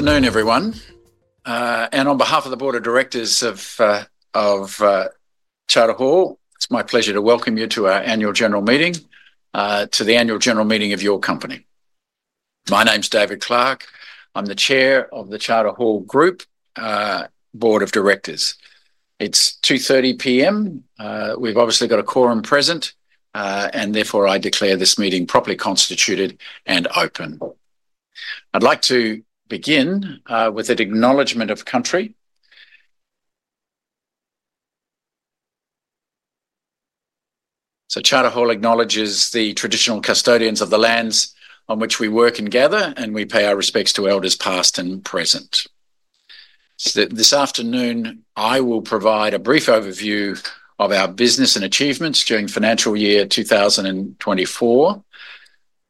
Good afternoon, everyone, and on behalf of the Board of Directors of Charter Hall, it's my pleasure to welcome you to our annual general meeting, to the annual general meeting of your company. My name's David Clarke. I'm the Chair of the Charter Hall Group Board of Directors. It's 2:30 P.M. We've obviously got a quorum present, and therefore I declare this meeting properly constituted and open. I'd like to begin with an Acknowledgement of Country. So, Charter Hall acknowledges the traditional custodians of the lands on which we work and gather, and we pay our respects to Elders past and present. This afternoon, I will provide a brief overview of our business and achievements during financial year 2024.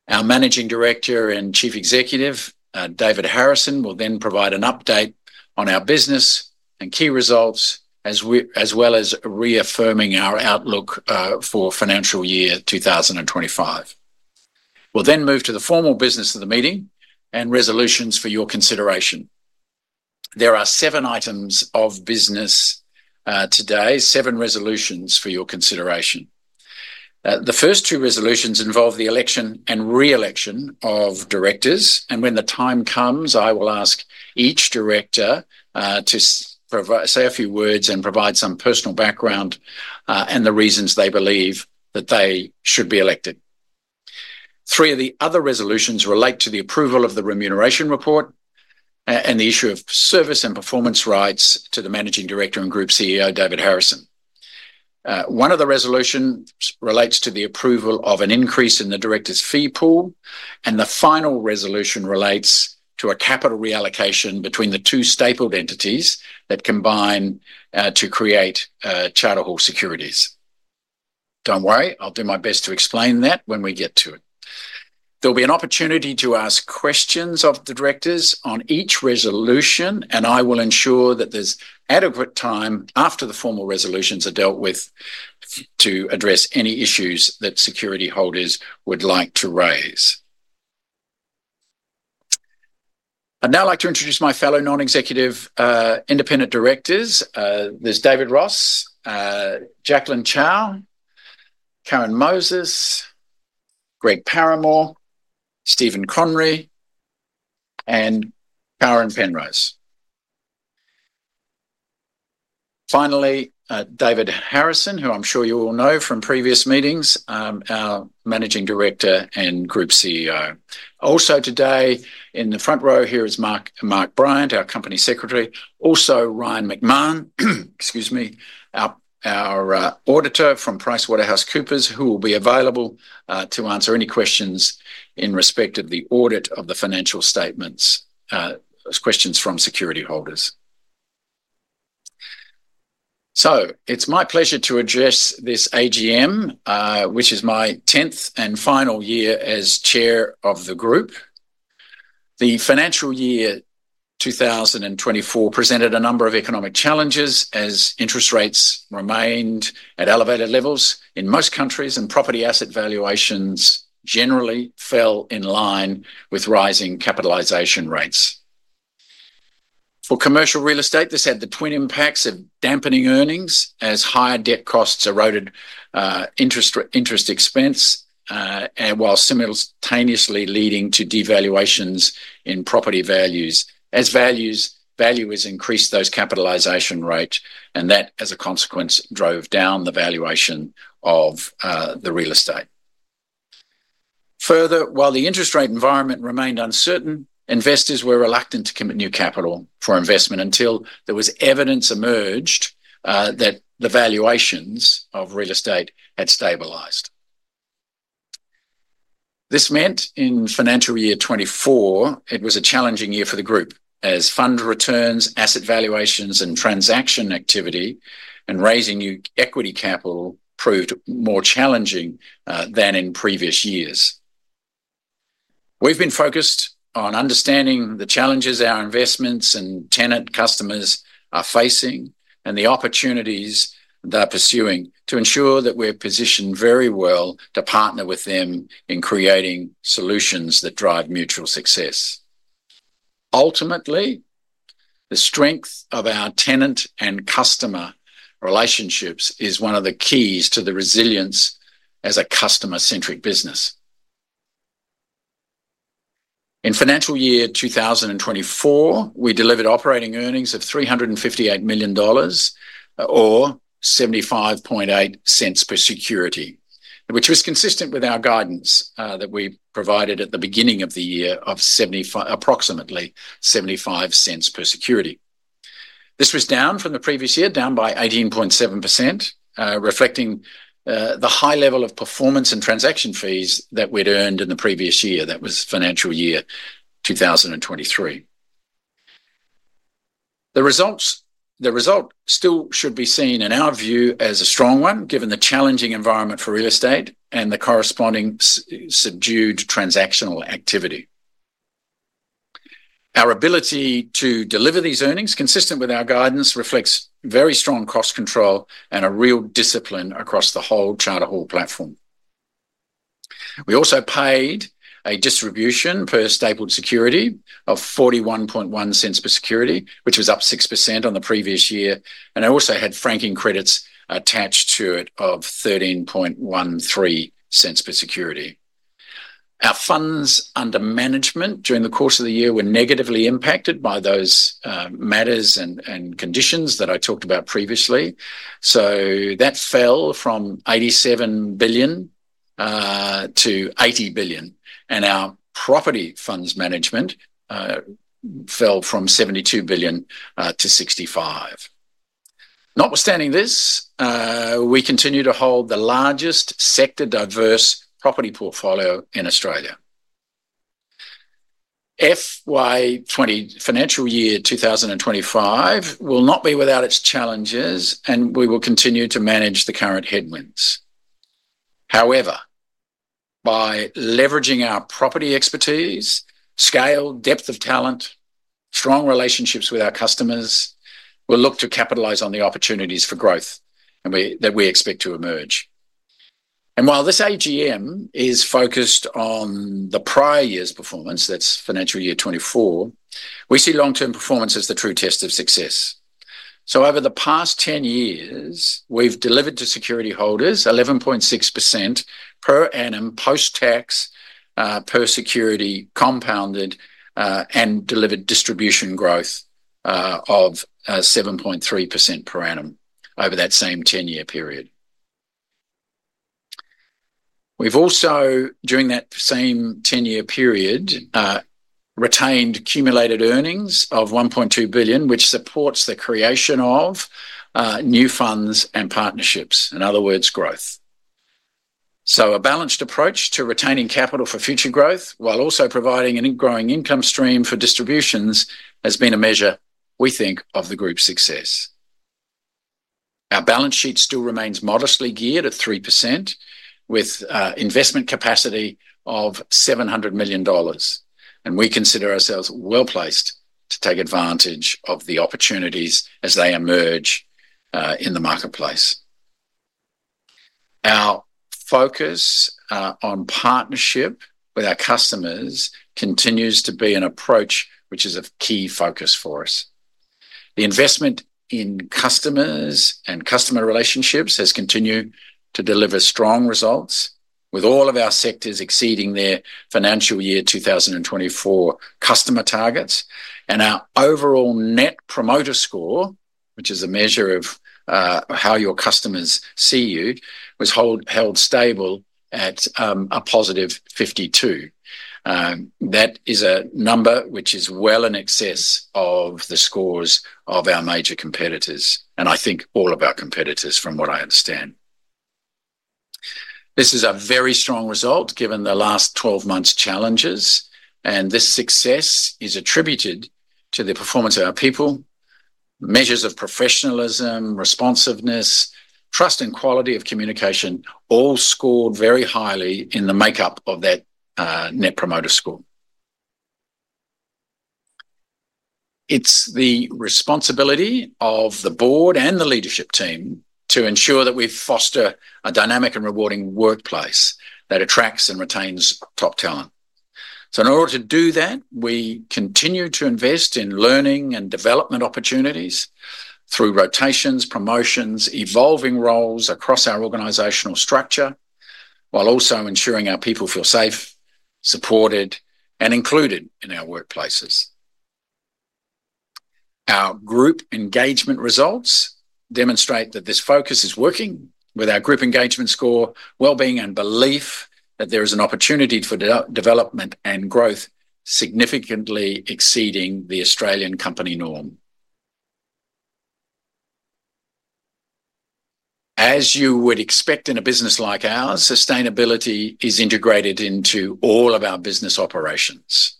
Our Managing Director and Chief Executive, David Harrison, will then provide an update on our business and key results, as we, as well as reaffirming our outlook, for financial year 2025. We'll then move to the formal business of the meeting and resolutions for your consideration. There are seven items of business, today, seven resolutions for your consideration. The first two resolutions involve the election and re-election of directors, and when the time comes, I will ask each director, to provide, say, a few words and provide some personal background, and the reasons they believe that they should be elected. Three of the other resolutions relate to the approval of the remuneration report, and the issue of service and performance rights to the Managing Director and Group CEO, David Harrison. One of the resolutions relates to the approval of an increase in the director's fee pool, and the final resolution relates to a capital reallocation between the two stapled entities that combine, to create, Charter Hall securities. Don't worry, I'll do my best to explain that when we get to it. There'll be an opportunity to ask questions of the directors on each resolution, and I will ensure that there's adequate time after the formal resolutions are dealt with to address any issues that security holders would like to raise. I'd now like to introduce my fellow non-executive, independent directors. There's David Ross, Jacqueline Chow, Karen Moses, Greg Paramor, Stephen Conry, and Karen Penrose. Finally, David Harrison, who I'm sure you all know from previous meetings, our Managing Director and Group CEO. Also today in the front row here is Mark, Mark Bryant, our Company Secretary. Also, Ryan McMahon, excuse me, our auditor from PricewaterhouseCoopers, who will be available to answer any questions in respect of the audit of the financial statements, questions from security holders. It's my pleasure to address this AGM, which is my 10th and final year as Chair of the Group. The financial year 2024 presented a number of economic challenges as interest rates remained at elevated levels in most countries, and property asset valuations generally fell in line with rising capitalization rates. For commercial real estate, this had the twin impacts of dampening earnings as higher debt costs increased interest expense, and while simultaneously leading to devaluations in property values. As cap rates have increased, and that as a consequence drove down the valuation of the real estate. Further, while the interest rate environment remained uncertain, investors were reluctant to commit new capital for investment until evidence emerged that the valuations of real estate had stabilized. This meant in financial year 2024, it was a challenging year for the group as fund returns, asset valuations, transaction activity, and raising new equity capital proved more challenging than in previous years. We've been focused on understanding the challenges our investments and tenant customers are facing and the opportunities they're pursuing to ensure that we're positioned very well to partner with them in creating solutions that drive mutual success. Ultimately, the strength of our tenant and customer relationships is one of the keys to the resilience as a customer-centric business. In financial year 2024, we delivered operating earnings of 358 million dollars, or 0.758 per security, which was consistent with our guidance that we provided at the beginning of the year of 0.75, approximately 0.75 per security. This was down from the previous year, down by 18.7%, reflecting the high level of performance and transaction fees that we'd earned in the previous year. That was financial year 2023. The result still should be seen in our view as a strong one given the challenging environment for real estate and the corresponding subdued transactional activity. Our ability to deliver these earnings, consistent with our guidance, reflects very strong cost control and a real discipline across the whole Charter Hall platform. We also paid a distribution per stapled security of 0.411 per security, which was up 6% on the previous year. And I also had franking credits attached to it of 0.1313 per security. Our funds under management during the course of the year were negatively impacted by those matters and conditions that I talked about previously. So that fell from 87 billion-80 billion. And our property funds management fell from 72 billion-65 billion. Notwithstanding this, we continue to hold the largest sector diverse property portfolio in Australia. FY 2025, financial year 2025, will not be without its challenges, and we will continue to manage the current headwinds. However, by leveraging our property expertise, scale, depth of talent, strong relationships with our customers, we'll look to capitalize on the opportunities for growth that we expect to emerge. And while this AGM is focused on the prior year's performance, that's financial year 2024, we see long-term performance as the true test of success. So over the past 10 years, we've delivered to security holders 11.6% per annum post-tax per security compounded and delivered distribution growth of 7.3% per annum over that same 10-year period. We've also during that same 10-year period retained cumulated earnings of 1.2 billion which supports the creation of new funds and partnerships, in other words, growth. So a balanced approach to retaining capital for future growth while also providing an in-growing income stream for distributions has been a measure we think of the group's success. Our balance sheet still remains modestly geared at 3% with investment capacity of 700 million dollars and we consider ourselves well placed to take advantage of the opportunities as they emerge in the marketplace. Our focus on partnership with our customers continues to be an approach which is a key focus for us. The investment in customers and customer relationships has continued to deliver strong results with all of our sectors exceeding their financial year 2024 customer targets. And our overall Net Promoter Score, which is a measure of how your customers see you, was held stable at a positive 52. That is a number which is well in excess of the scores of our major competitors, and I think all of our competitors, from what I understand. This is a very strong result given the last 12 months' challenges, and this success is attributed to the performance of our people. Measures of professionalism, responsiveness, trust, and quality of communication all scored very highly in the makeup of that Net Promoter Score. It's the responsibility of the board and the leadership team to ensure that we foster a dynamic and rewarding workplace that attracts and retains top talent. In order to do that, we continue to invest in learning and development opportunities through rotations, promotions, evolving roles across our organizational structure, while also ensuring our people feel safe, supported, and included in our workplaces. Our group engagement results demonstrate that this focus is working with our group engagement score, well-being, and belief that there is an opportunity for development and growth significantly exceeding the Australian company norm. As you would expect in a business like ours, sustainability is integrated into all of our business operations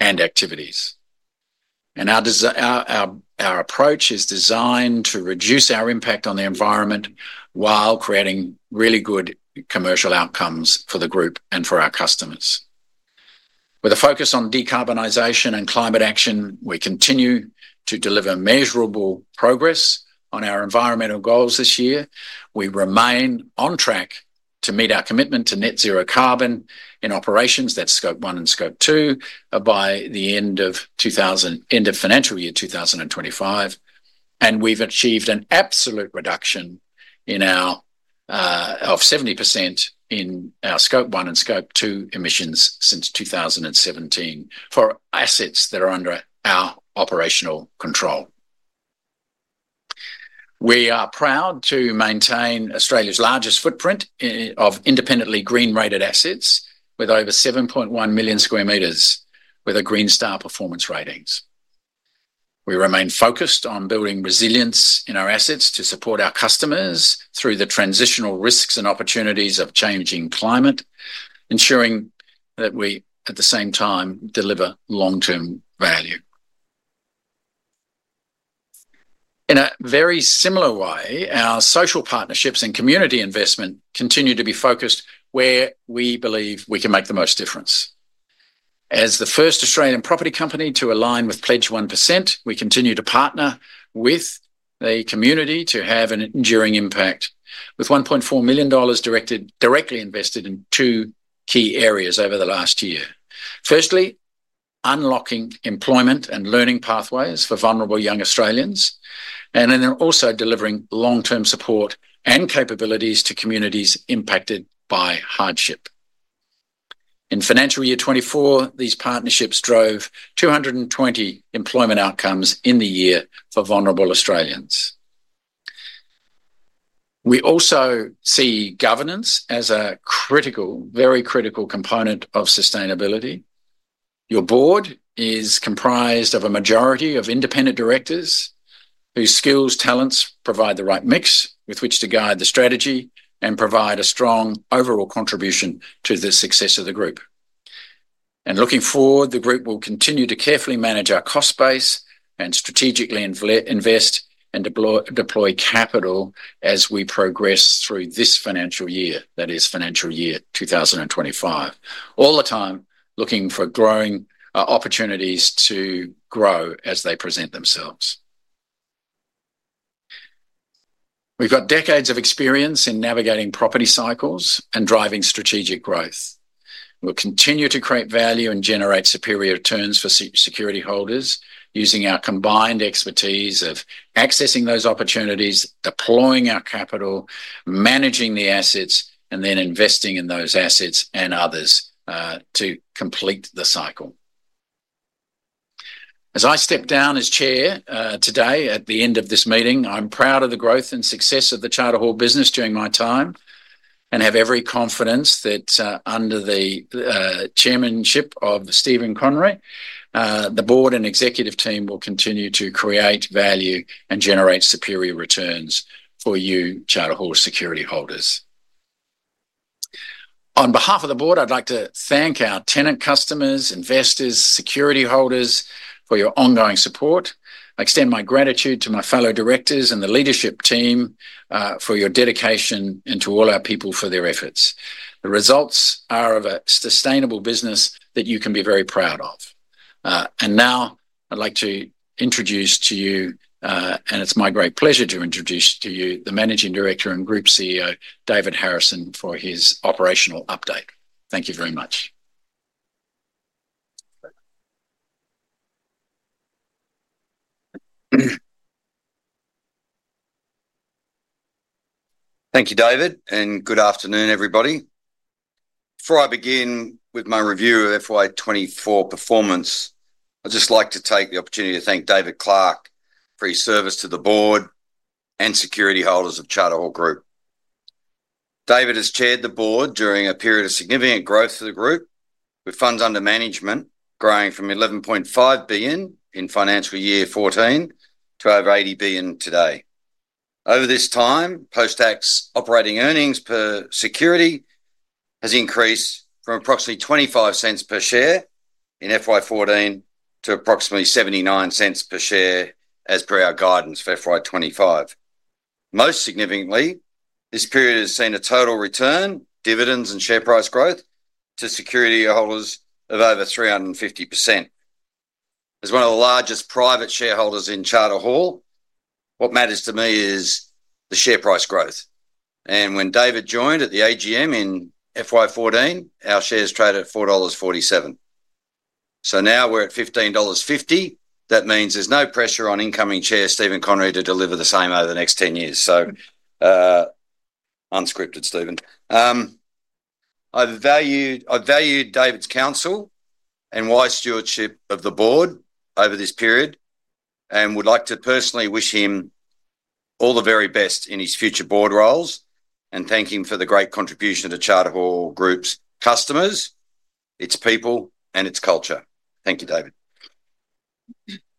and activities. Our approach is designed to reduce our impact on the environment while creating really good commercial outcomes for the group and for our customers. With a focus on decarbonization and climate action, we continue to deliver measurable progress on our environmental goals this year. We remain on track to meet our commitment to Net Zero Carbon in operations, that's Scope 1 and Scope 2, by the end of 2030, end of financial year 2025. We've achieved an absolute reduction of 70% in our Scope 1 and Scope 2 emissions since 2017 for assets that are under our operational control. We are proud to maintain Australia's largest footprint of independently Green Star rated assets with over 7.1 million square meters with a Green Star performance ratings. We remain focused on building resilience in our assets to support our customers through the transitional risks and opportunities of changing climate, ensuring that we at the same time deliver long-term value. In a very similar way, our social partnerships and community investment continue to be focused where we believe we can make the most difference. As the first Australian property company to align with Pledge 1%, we continue to partner with the community to have an enduring impact with 1.4 million dollars directly invested in two key areas over the last year. Firstly, unlocking employment and learning pathways for vulnerable young Australians, and then also delivering long-term support and capabilities to communities impacted by hardship. In financial year 2024, these partnerships drove 220 employment outcomes in the year for vulnerable Australians. We also see governance as a critical, very critical component of sustainability. Your board is comprised of a majority of independent directors whose skills, talents provide the right mix with which to guide the strategy and provide a strong overall contribution to the success of the group. Looking forward, the group will continue to carefully manage our cost base and strategically invest and deploy capital as we progress through this financial year, that is financial year 2025, all the time looking for growing opportunities to grow as they present themselves. We've got decades of experience in navigating property cycles and driving strategic growth. We'll continue to create value and generate superior returns for security holders using our combined expertise of accessing those opportunities, deploying our capital, managing the assets, and then investing in those assets and others, to complete the cycle. As I step down as Chair, today at the end of this meeting, I'm proud of the growth and success of the Charter Hall business during my time and have every confidence that, under the chairmanship of Stephen Conry, the board and executive team will continue to create value and generate superior returns for you Charter Hall security holders. On behalf of the board, I'd like to thank our tenant customers, investors, security holders for your ongoing support. I extend my gratitude to my fellow directors and the leadership team, for your dedication and to all our people for their efforts. The results are of a sustainable business that you can be very proud of. And now I'd like to introduce to you, and it's my great pleasure to introduce to you the Managing Director and Group CEO, David Harrison, for his operational update. Thank you very much. Thank you, David, and good afternoon, everybody. Before I begin with my review of FY 2024 performance, I'd just like to take the opportunity to thank David Clarke for his service to the board and security holders of Charter Hall Group. David has chaired the board during a period of significant growth for the group with funds under management growing from 11.5 billion in financial year 2014 to over 80 billion today. Over this time, post-tax operating earnings per security has increased from approximately 0.25 per share in FY 2014 to approximately 0.79 per share as per our guidance for FY 2025. Most significantly, this period has seen a total return, dividends, and share price growth to security holders of over 350%. As one of the largest private shareholders in Charter Hall, what matters to me is the share price growth. When David joined at the AGM in FY 2014, our shares traded at 4.47 dollars. So now we're at 15.50 dollars. That means there's no pressure on incoming Chair Stephen Conry to deliver the same over the next 10 years. So, unscripted, Stephen. I've valued, I've valued David's counsel and wise stewardship of the board over this period and would like to personally wish him all the very best in his future board roles and thank him for the great contribution to Charter Hall Group's customers, its people, and its culture. Thank you, David.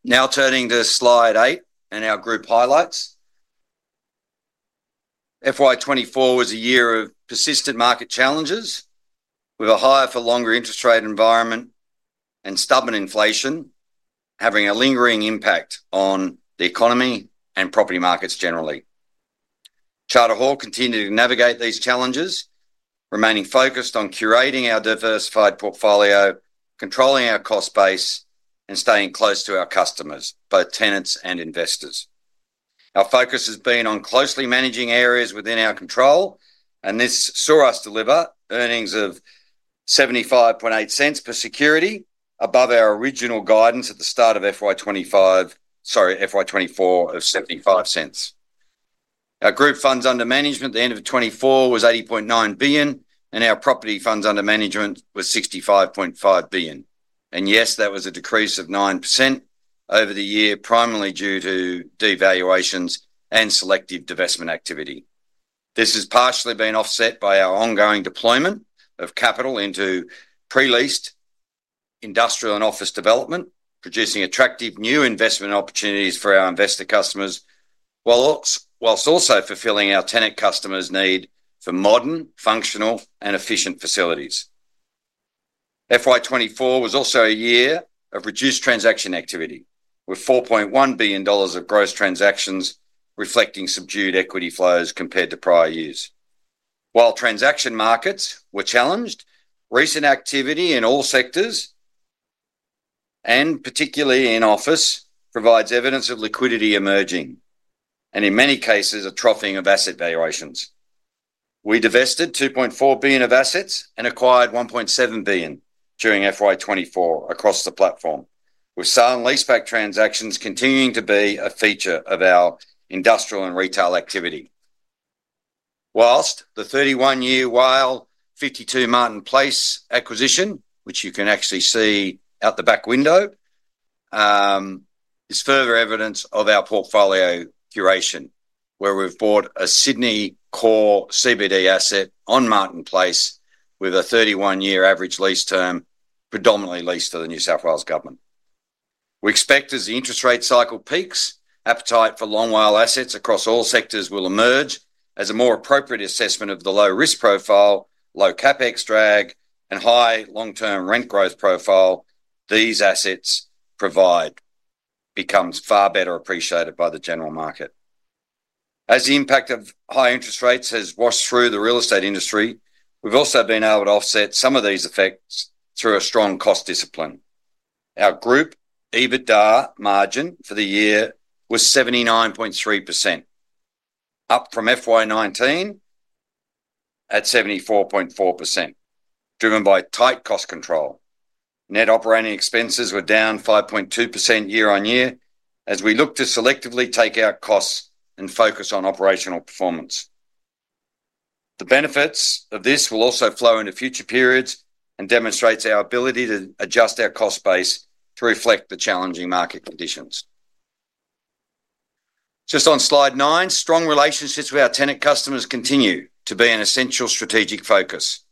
Now turning to slide eight and our group highlights, FY 2024 was a year of persistent market challenges with a higher-for-longer interest rate environment and stubborn inflation having a lingering impact on the economy and property markets generally. Charter Hall continued to navigate these challenges, remaining focused on curating our diversified portfolio, controlling our cost base, and staying close to our customers, both tenants and investors. Our focus has been on closely managing areas within our control, and this saw us deliver earnings of 0.758 per security above our original guidance at the start of FY 2025, sorry, FY 2024 of AUD 0.75. Our group funds under management at the end of 2024 was 80.9 billion, and our property funds under management was 65.5 billion. And yes, that was a decrease of 9% over the year, primarily due to devaluations and selective divestment activity. This has partially been offset by our ongoing deployment of capital into pre-leased industrial and office development, producing attractive new investment opportunities for our investor customers, whilst also fulfilling our tenant customers' need for modern, functional, and efficient facilities. FY 2024 was also a year of reduced transaction activity with 4.1 billion dollars of gross transactions reflecting subdued equity flows compared to prior years. While transaction markets were challenged, recent activity in all sectors, and particularly in office, provides evidence of liquidity emerging and, in many cases, a troughing of asset valuations. We divested 2.4 billion of assets and acquired 1.7 billion during FY 2024 across the platform, with sale and lease-back transactions continuing to be a feature of our industrial and retail activity. While the 31-year WALE, 52 Martin Place acquisition, which you can actually see out the back window, is further evidence of our portfolio curation, where we've bought a Sydney core CBD asset on Martin Place with a 31-year average lease term predominantly leased to the New South Wales Government. We expect as the interest rate cycle peaks, appetite for long WALE assets across all sectors will emerge as a more appropriate assessment of the low risk profile, low CapEx drag, and high long-term rent growth profile these assets provide becomes far better appreciated by the general market. As the impact of high interest rates has washed through the real estate industry, we've also been able to offset some of these effects through a strong cost discipline. Our group EBITDA margin for the year was 79.3%, up from FY 2019 at 74.4%, driven by tight cost control. Net operating expenses were down 5.2% year-on-year as we look to selectively take out costs and focus on operational performance. The benefits of this will also flow into future periods and demonstrate our ability to adjust our cost base to reflect the challenging market conditions. Just on slide nine, strong relationships with our tenant customers continue to be an essential strategic focus.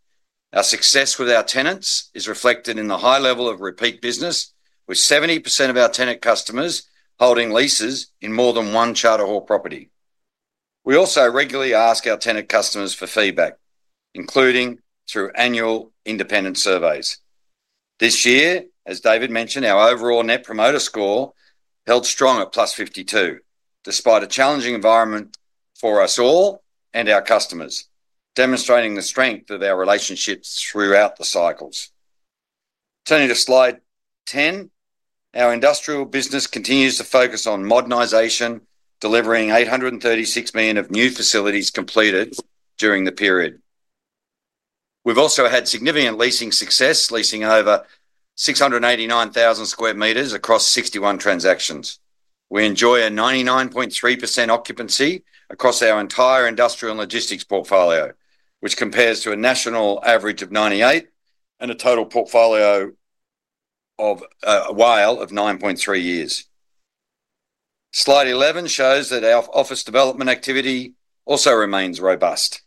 Our success with our tenants is reflected in the high level of repeat business, with 70% of our tenant customers holding leases in more than one Charter Hall property. We also regularly ask our tenant customers for feedback, including through annual independent surveys. This year, as David mentioned, our overall net promoter score held strong at +52, despite a challenging environment for us all and our customers, demonstrating the strength of our relationships throughout the cycles. Turning to slide 10, our industrial business continues to focus on modernization, delivering 836 million of new facilities completed during the period. We've also had significant leasing success, leasing over 689,000 square meters across 61 transactions. We enjoy a 99.3% occupancy across our entire industrial and logistics portfolio, which compares to a national average of 98% with a WALE of 9.3 years. Slide 11 shows that our office development activity also remains robust.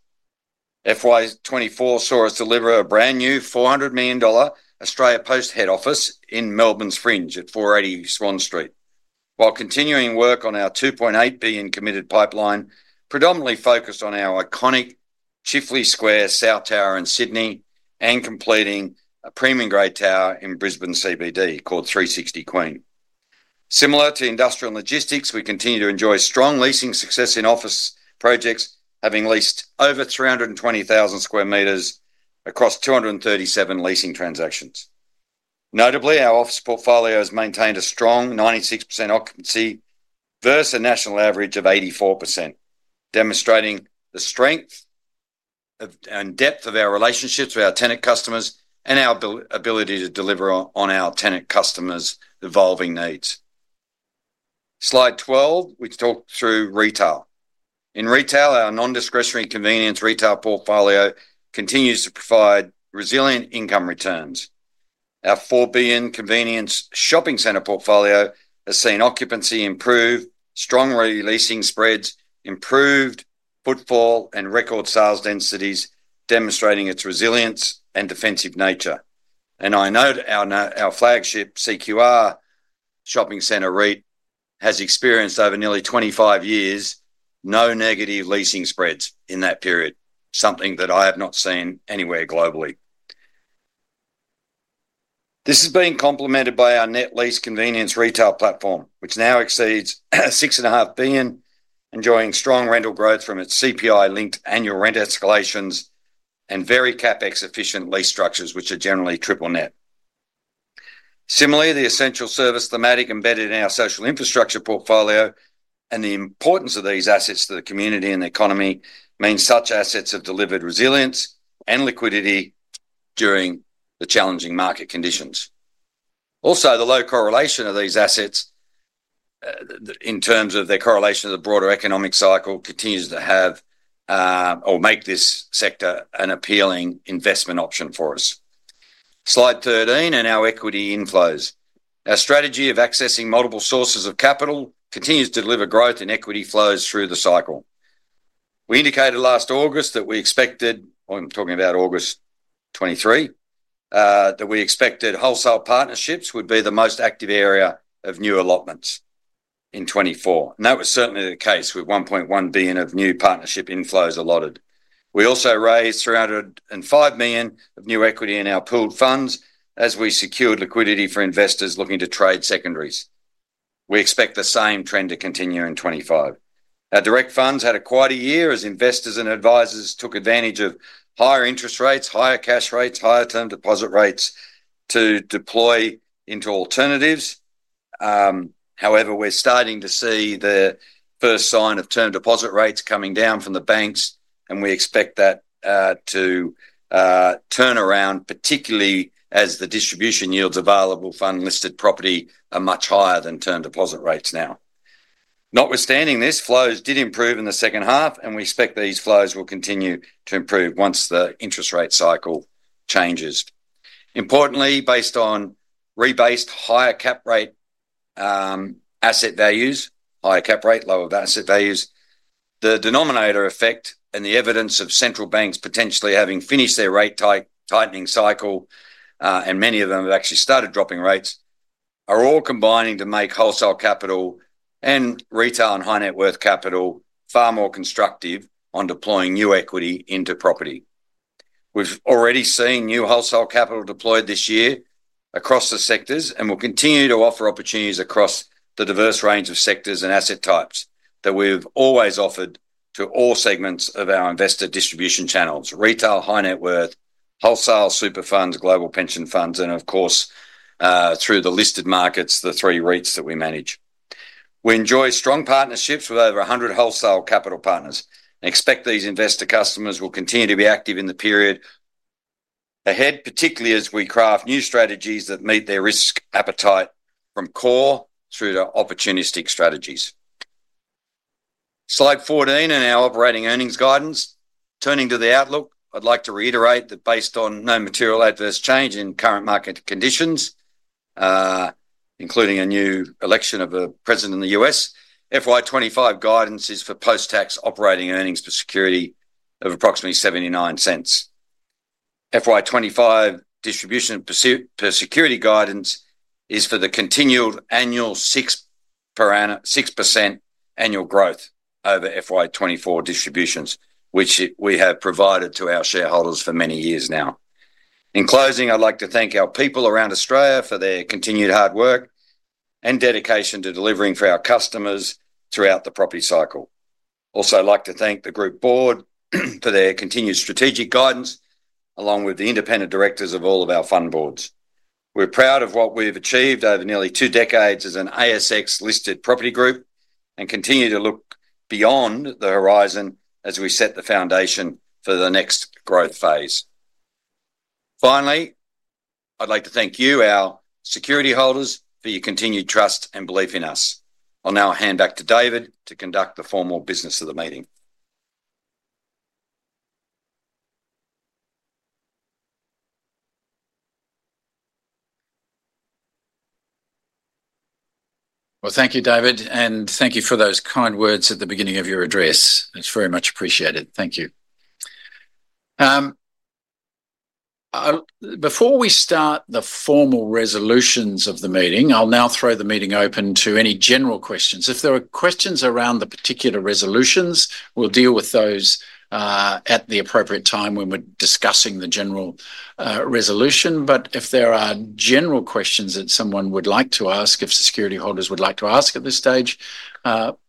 FY 2024 saw us deliver a brand new 400 million dollar Australia Post head office in Melbourne's fringe at 480 Swan Street, while continuing work on our 2.8 billion committed pipeline, predominantly focused on our iconic Chifley Square South Tower in Sydney and completing a premium grade tower in Brisbane CBD called 360 Queen. Similar to industrial and logistics, we continue to enjoy strong leasing success in office projects, having leased over 320,000 square meters across 237 leasing transactions. Notably, our office portfolio has maintained a strong 96% occupancy versus a national average of 84%, demonstrating the strength and depth of our relationships with our tenant customers and our ability to deliver on our tenant customers' evolving needs. Slide 12, we talk through retail. In retail, our non-discretionary convenience retail portfolio continues to provide resilient income returns. Our 4 billion convenience shopping center portfolio has seen occupancy improve, strong releasing spreads, improved footfall, and record sales densities, demonstrating its resilience and defensive nature, and I note our flagship CQR shopping center REIT has experienced over nearly 25 years no negative leasing spreads in that period, something that I have not seen anywhere globally. This has been complemented by our net lease convenience retail platform, which now exceeds 6.5 billion, enjoying strong rental growth from its CPI-linked annual rent escalations and very CapEx-efficient lease structures, which are generally triple net. Similarly, the essential service thematic embedded in our social infrastructure portfolio and the importance of these assets to the community and the economy means such assets have delivered resilience and liquidity during the challenging market conditions. Also, the low correlation of these assets, in terms of their correlation to the broader economic cycle continues to have, or make this sector an appealing investment option for us. Slide 13 and our equity inflows. Our strategy of accessing multiple sources of capital continues to deliver growth in equity flows through the cycle. We indicated last August that we expected, I'm talking about August 2023, that we expected wholesale partnerships would be the most active area of new allotments in 2024. And that was certainly the case with 1.1 billion of new partnership inflows allotted. We also raised 305 million of new equity in our pooled funds as we secured liquidity for investors looking to trade secondaries. We expect the same trend to continue in 2025. Our direct funds had a quiet year as investors and advisors took advantage of higher interest rates, higher cash rates, higher term deposit rates to deploy into alternatives. However, we're starting to see the first sign of term deposit rates coming down from the banks, and we expect that to turn around, particularly as the distribution yields available from listed property are much higher than term deposit rates now. Notwithstanding this, flows did improve in the second half, and we expect these flows will continue to improve once the interest rate cycle changes. Importantly, based on rebased higher cap rate, asset values, higher cap rate, lower asset values, the denominator effect, and the evidence of central banks potentially having finished their rate tightening cycle, and many of them have actually started dropping rates, are all combining to make wholesale capital and retail and high net worth capital far more constructive on deploying new equity into property. We've already seen new wholesale capital deployed this year across the sectors and will continue to offer opportunities across the diverse range of sectors and asset types that we've always offered to all segments of our investor distribution channels: retail, high net worth, wholesale, super funds, global pension funds, and of course, through the listed markets, the three REITs that we manage. We enjoy strong partnerships with over 100 wholesale capital partners and expect these investor customers will continue to be active in the period ahead, particularly as we craft new strategies that meet their risk appetite from core through to opportunistic strategies. Slide 14 and our operating earnings guidance. Turning to the outlook, I'd like to reiterate that based on no material adverse change in current market conditions, including a new election of a president in the U.S., FY 2025 guidance is for post-tax operating earnings per security of approximately 0.79. FY 2025 distribution per security guidance is for the continued annual 6% growth over FY 2024 distributions, which we have provided to our shareholders for many years now. In closing, I'd like to thank our people around Australia for their continued hard work and dedication to delivering for our customers throughout the property cycle. Also, I'd like to thank the group board for their continued strategic guidance, along with the independent directors of all of our fund boards. We're proud of what we've achieved over nearly two decades as an ASX-listed property group and continue to look beyond the horizon as we set the foundation for the next growth phase. Finally, I'd like to thank you, our security holders, for your continued trust and belief in us. I'll now hand back to David to conduct the formal business of the meeting. Well, thank you, David, and thank you for those kind words at the beginning of your address. It's very much appreciated. Thank you. Before we start the formal resolutions of the meeting, I'll now throw the meeting open to any general questions. If there are questions around the particular resolutions, we'll deal with those at the appropriate time when we're discussing the general resolution. But if there are general questions that someone would like to ask, if security holders would like to ask at this stage,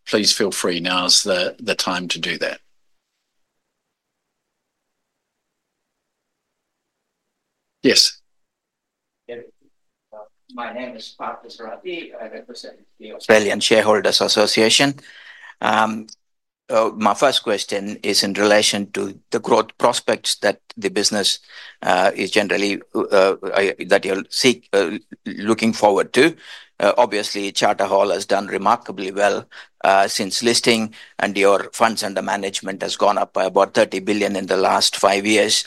please feel free. Now's the time to do that. Yes. Yes. My name is Partha Sarathy, I represent the Australian Shareholders' Association. My first question is in relation to the growth prospects that the business is generally that you'll seek looking forward to. Obviously, Charter Hall has done remarkably well since listing, and your funds under management has gone up by about 30 billion in the last five years.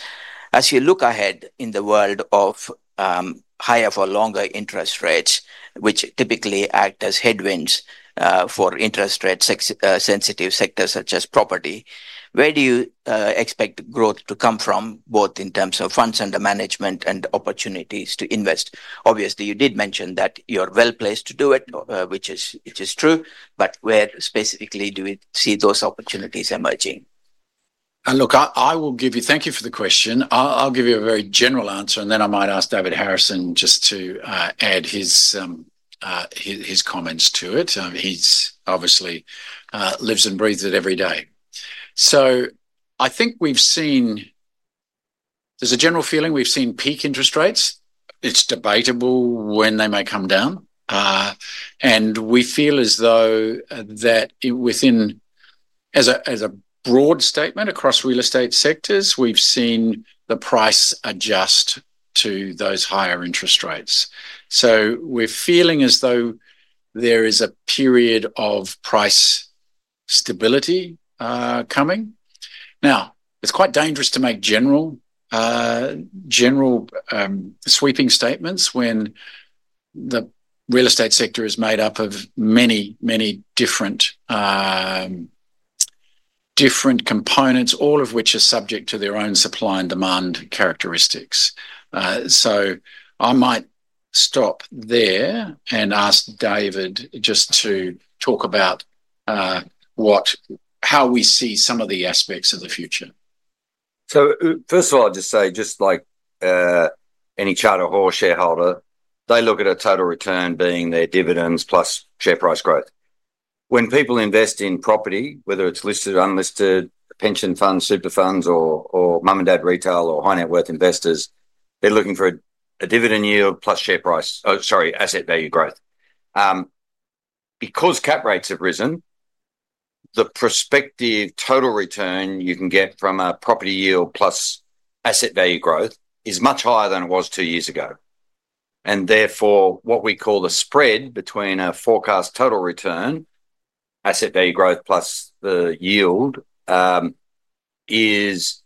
As you look ahead in the world of higher for longer interest rates, which typically act as headwinds for interest rate sensitive sectors such as property, where do you expect growth to come from, both in terms of funds under management and opportunities to invest? Obviously, you did mention that you're well placed to do it, which is true, but where specifically do we see those opportunities emerging? Look, thank you for the question. I'll give you a very general answer, and then I might ask David Harrison just to add his comments to it. He obviously lives and breathes it every day. So I think there's a general feeling we've seen peak interest rates. It's debatable when they may come down. And we feel as though that within, as a broad statement across real estate sectors, we've seen the price adjust to those higher interest rates. So we're feeling as though there is a period of price stability coming. Now, it's quite dangerous to make general sweeping statements when the real estate sector is made up of many different components, all of which are subject to their own supply and demand characteristics. So I might stop there and ask David just to talk about how we see some of the aspects of the future. So first of all, I'll just say, just like any Charter Hall shareholder, they look at a total return being their dividends plus share price growth. When people invest in property, whether it's listed, unlisted, pension funds, super funds, or mum and dad retail or high net worth investors, they're looking for a dividend yield plus share price, or sorry, asset value growth. Because cap rates have risen, the prospective total return you can get from a property yield plus asset value growth is much higher than it was two years ago, and therefore, what we call the spread between a forecast total return, asset value growth plus the yield, is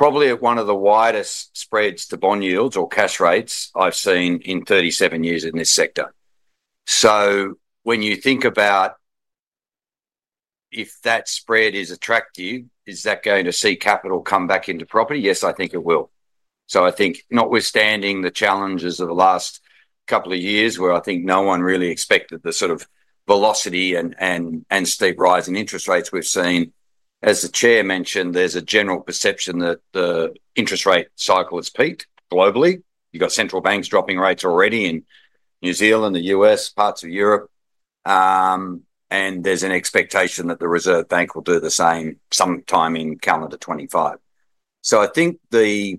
probably at one of the widest spreads to bond yields or cash rates I've seen in 37 years in this sector, so when you think about if that spread is attractive, is that going to see capital come back into property? Yes, I think it will. I think notwithstanding the challenges of the last couple of years where I think no one really expected the sort of velocity and steep rise in interest rates we've seen, as the chair mentioned, there's a general perception that the interest rate cycle has peaked globally. You've got central banks dropping rates already in New Zealand, the U.S., parts of Europe, and there's an expectation that the Reserve Bank will do the same sometime in calendar 2025. I think the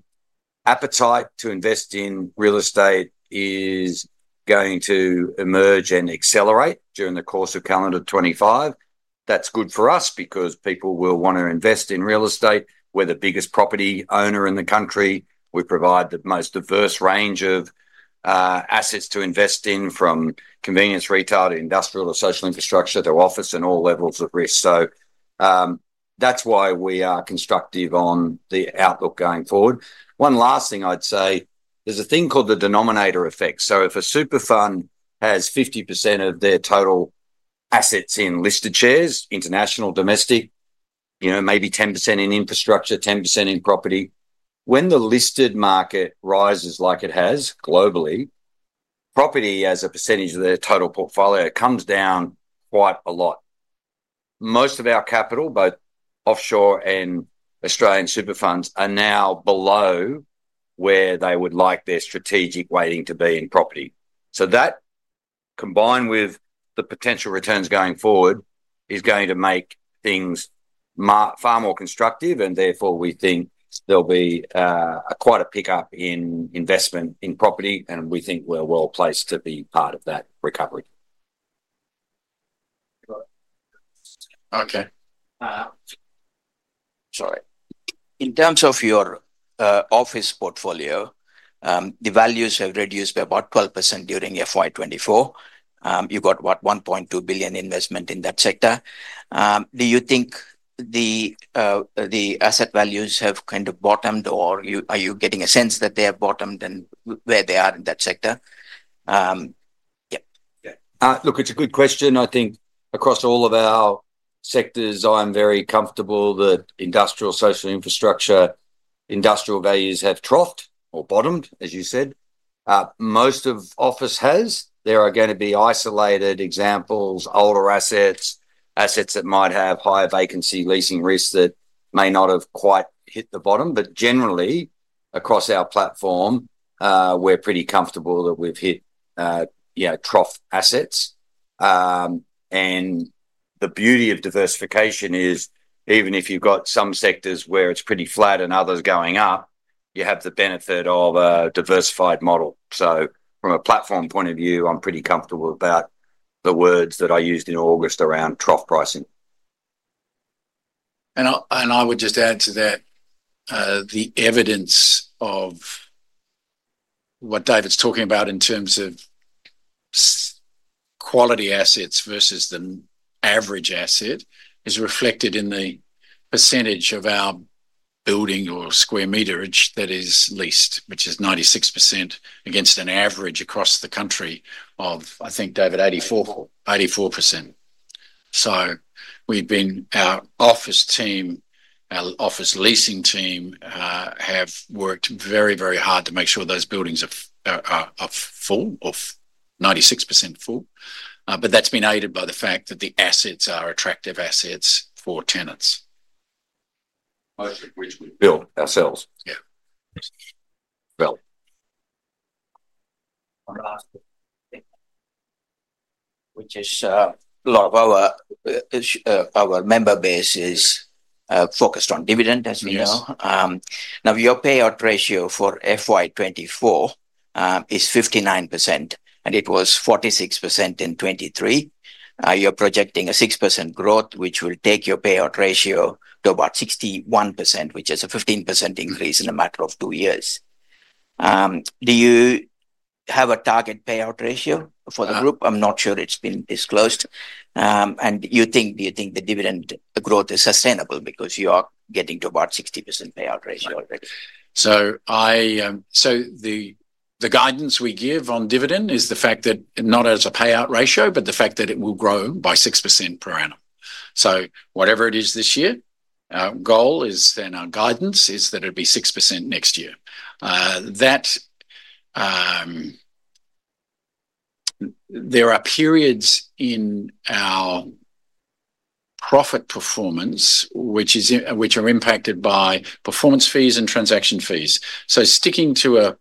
appetite to invest in real estate is going to emerge and accelerate during the course of calendar 2025. That's good for us because people will want to invest in real estate. We're the biggest property owner in the country. We provide the most diverse range of assets to invest in, from convenience retail to industrial or social infrastructure to office and all levels of risk. That's why we are constructive on the outlook going forward. One last thing I'd say, there's a thing called the denominator effect. So if a super fund has 50% of their total assets in listed shares, international, domestic, you know, maybe 10% in infrastructure, 10% in property, when the listed market rises like it has globally, property as a percentage of their total portfolio comes down quite a lot. Most of our capital, both offshore and Australian super funds, are now below where they would like their strategic weighting to be in property. So that combined with the potential returns going forward is going to make things far more constructive. And therefore, we think there'll be quite a pickup in investment in property. And we think we're well placed to be part of that recovery. Okay. Sorry. In terms of your office portfolio, the values have reduced by about 12% during FY 2024. You got what, 1.2 billion investment in that sector. Do you think the asset values have kind of bottomed or are you getting a sense that they have bottomed and where they are in that sector? Yeah. Look, it's a good question. I think across all of our sectors, I'm very comfortable that industrial, social infrastructure, industrial values have troughed or bottomed, as you said. Most of office has, there are going to be isolated examples, older assets, assets that might have higher vacancy leasing risk that may not have quite hit the bottom. But generally, across our platform, we're pretty comfortable that we've hit, you know, trough assets. And the beauty of diversification is even if you've got some sectors where it's pretty flat and others going up, you have the benefit of a diversified model. So from a platform point of view, I'm pretty comfortable about the words that I used in August around trough pricing. And I would just add to that, the evidence of what David's talking about in terms of quality assets versus the average asset is reflected in the percentage of our building or square meterage that is leased, which is 96% against an average across the country of, I think, David, 84%. So we've been, our office team, our office leasing team, have worked very, very hard to make sure those buildings are 96% full. But that's been aided by the fact that the assets are attractive assets for tenants, most of which we've built ourselves. Yeah. Well. Which is, a lot of our member base is focused on dividend, as we know. Now your payout ratio for FY 2024 is 59% and it was 46% in 2023. You're projecting a 6% growth, which will take your payout ratio to about 61%, which is a 15% increase in a matter of two years. Do you have a target payout ratio for the group? I'm not sure it's been disclosed. And you think, do you think the dividend growth is sustainable because you are getting to about 60% payout ratio already? So, the guidance we give on dividend is the fact that not as a payout ratio, but the fact that it will grow by 6% per annum. So whatever it is this year, goal is then our guidance is that it'll be 6% next year. That there are periods in our profit performance which are impacted by performance fees and transaction fees. So sticking to,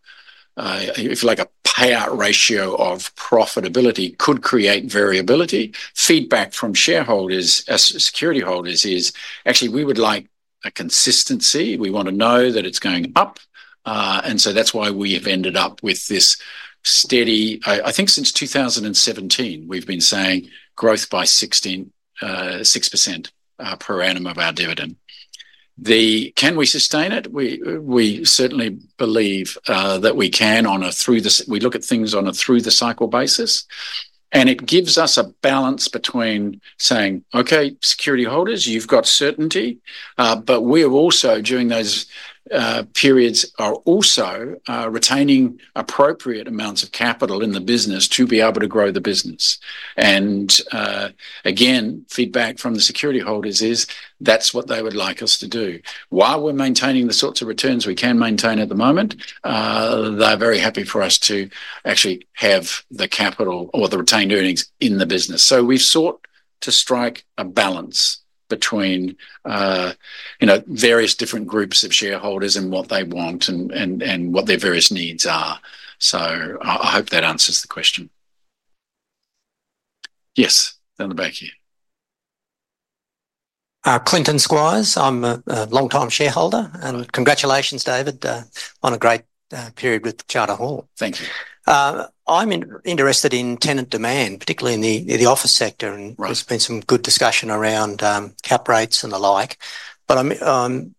if you like, a payout ratio of profitability could create variability. Feedback from shareholders, security holders is actually we would like a consistency. We want to know that it's going up, and so that's why we have ended up with this steady. I think since 2017, we've been saying growth by 16, 6% per annum of our dividend. Can we sustain it? We certainly believe that we can, on a through-the-cycle basis. We look at things on a through-the-cycle basis, and it gives us a balance between saying, okay, security holders, you've got certainty, but we are also, during those periods, also retaining appropriate amounts of capital in the business to be able to grow the business. And again, feedback from the security holders is that's what they would like us to do. While we're maintaining the sorts of returns we can maintain at the moment, they're very happy for us to actually have the capital or the retained earnings in the business. So we've sought to strike a balance between, you know, various different groups of shareholders and what they want and what their various needs are. So I hope that answers the question. Yes, down the back here. Clinton Squires, I'm a longtime shareholder and congratulations, David, on a great period with Charter Hall. Thank you. I'm interested in tenant demand, particularly in the office sector, and there's been some good discussion around cap rates and the like, but I'm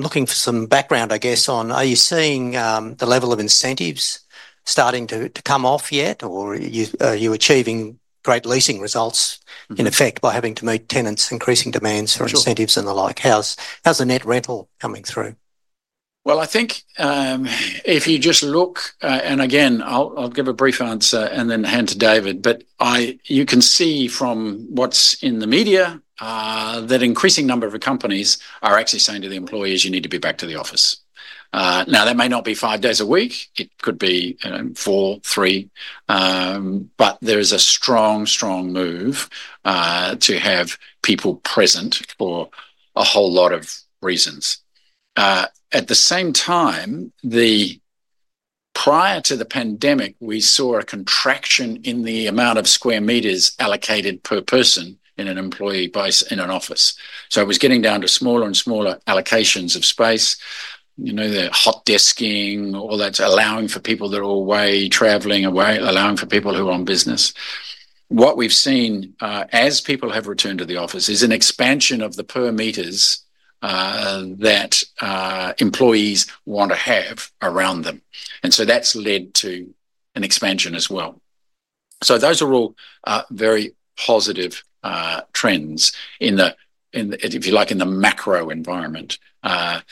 looking for some background, I guess, on are you seeing the level of incentives starting to come off yet or are you achieving great leasing results in effect by having to meet tenants' increasing demands for incentives and the like. How's the net rental coming through? Well, I think if you just look, and again, I'll give a brief answer and then hand to David, but you can see from what's in the media that increasing number of companies are actually saying to the employees you need to be back to the office. Now that may not be five days a week, it could be, you know, four, three, but there is a strong, strong move to have people present for a whole lot of reasons. At the same time, just prior to the pandemic, we saw a contraction in the amount of square meters allocated per person in an employee base in an office. So it was getting down to smaller and smaller allocations of space, you know, the hot desking, all that's allowing for people that are away traveling away, allowing for people who are on business. What we've seen, as people have returned to the office is an expansion of the perimeters per that employees want to have around them. So that's led to an expansion as well. So those are all very positive trends in the, if you like, in the macro environment. I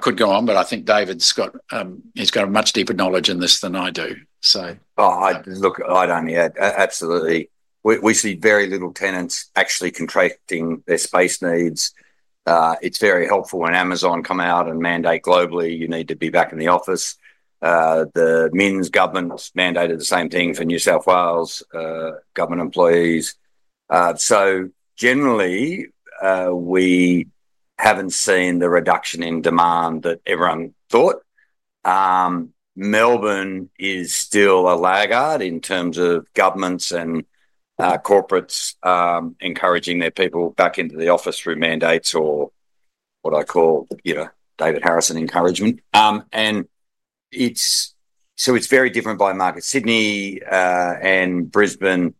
could go on, but I think David's got a much deeper knowledge in this than I do. So. Oh, I look, I don't yet. Absolutely. We see very little tenants actually contracting their space needs. It's very helpful when Amazon come out and mandate globally, you need to be back in the office. The NSW government mandated the same thing for New South Wales government employees. So generally, we haven't seen the reduction in demand that everyone thought. Melbourne is still a laggard in terms of governments and corporates encouraging their people back into the office through mandates or what I call, you know, David Harrison encouragement. It's very different by market. Sydney and Brisbane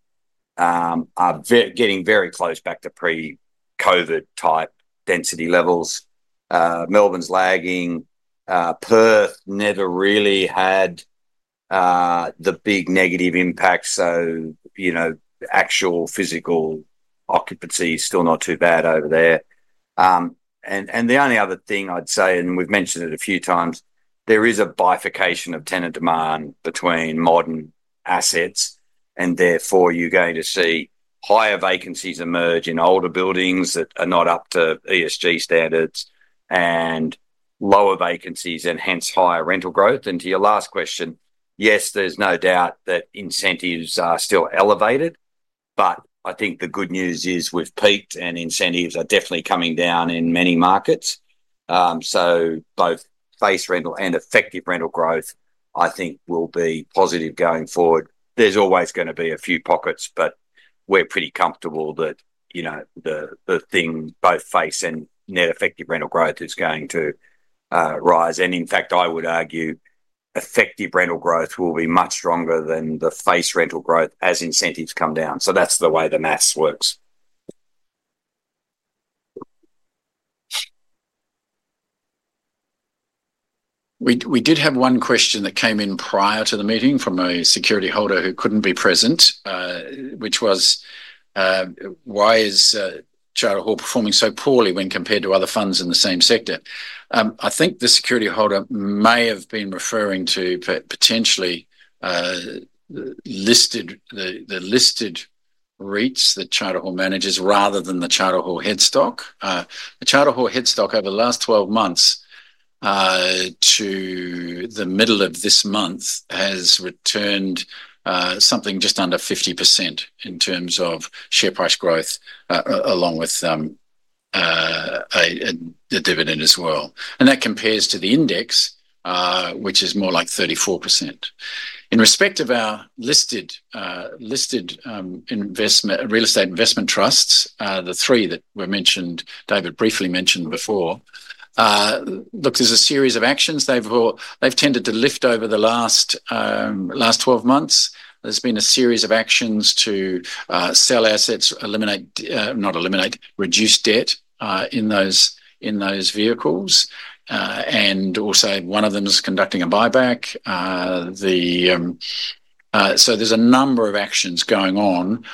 are getting very close back to pre-COVID type density levels. Melbourne's lagging. Perth never really had the big negative impact. So, you know, actual physical occupancy is still not too bad over there. And the only other thing I'd say, and we've mentioned it a few times, there is a bifurcation of tenant demand between modern assets and therefore you're going to see higher vacancies emerge in older buildings that are not up to ESG standards and lower vacancies and hence higher rental growth. And to your last question, yes, there's no doubt that incentives are still elevated, but I think the good news is we've peaked and incentives are definitely coming down in many markets. So both face rental and effective rental growth, I think, will be positive going forward. There's always going to be a few pockets, but we're pretty comfortable that, you know, the thing both face and net effective rental growth is going to rise. In fact, I would argue effective rental growth will be much stronger than the face rental growth as incentives come down. So that's the way the math works. We did have one question that came in prior to the meeting from a security holder who couldn't be present, which was, why is Charter Hall performing so poorly when compared to other funds in the same sector? I think the security holder may have been referring to potentially listed the listed REITs that Charter Hall manages rather than the Charter Hall stock. The Charter Hall stock over the last 12 months, to the middle of this month has returned something just under 50% in terms of share price growth, along with a dividend as well. And that compares to the index, which is more like 34%. In respect of our listed investment real estate investment trusts, the three that were mentioned, David briefly mentioned before, look, there's a series of actions they've all tended to lift over the last 12 months. There's been a series of actions to sell assets, eliminate, not eliminate, reduce debt, in those vehicles. And also one of them is conducting a buyback. So there's a number of actions going on,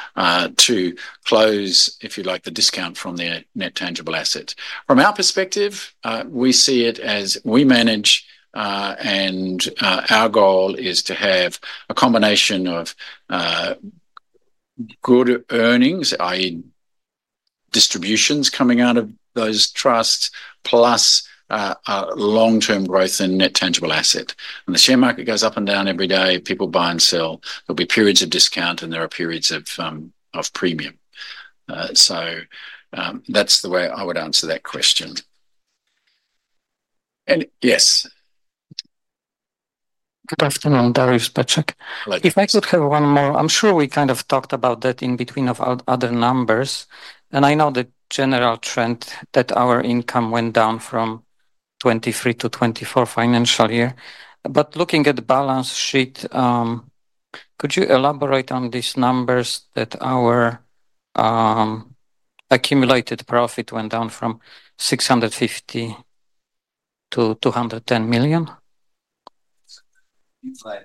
to close, if you like, the discount from their net tangible assets. From our perspective, we see it as we manage, our goal is to have a combination of good earnings, i.e., distributions coming out of those trusts, plus long-term growth in net tangible asset. The share market goes up and down every day. People buy and sell. There'll be periods of discount and there are periods of premium. So, that's the way I would answer that question. And yes. Good afternoon, Dariusz Paczek. If I could have one more, I'm sure we kind of talked about that in between of other numbers. And I know the general trend that our income went down from 2023 to 2024 financial year. But looking at the balance sheet, could you elaborate on these numbers that our accumulated profit went down from 650 million to 210 million? The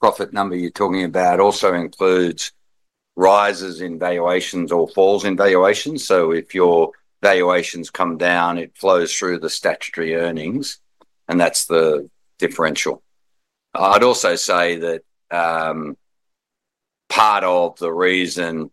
profit number you're talking about also includes rises in valuations or falls in valuations. So if your valuations come down, it flows through the statutory earnings, and that's the differential. I'd also say that, part of the reason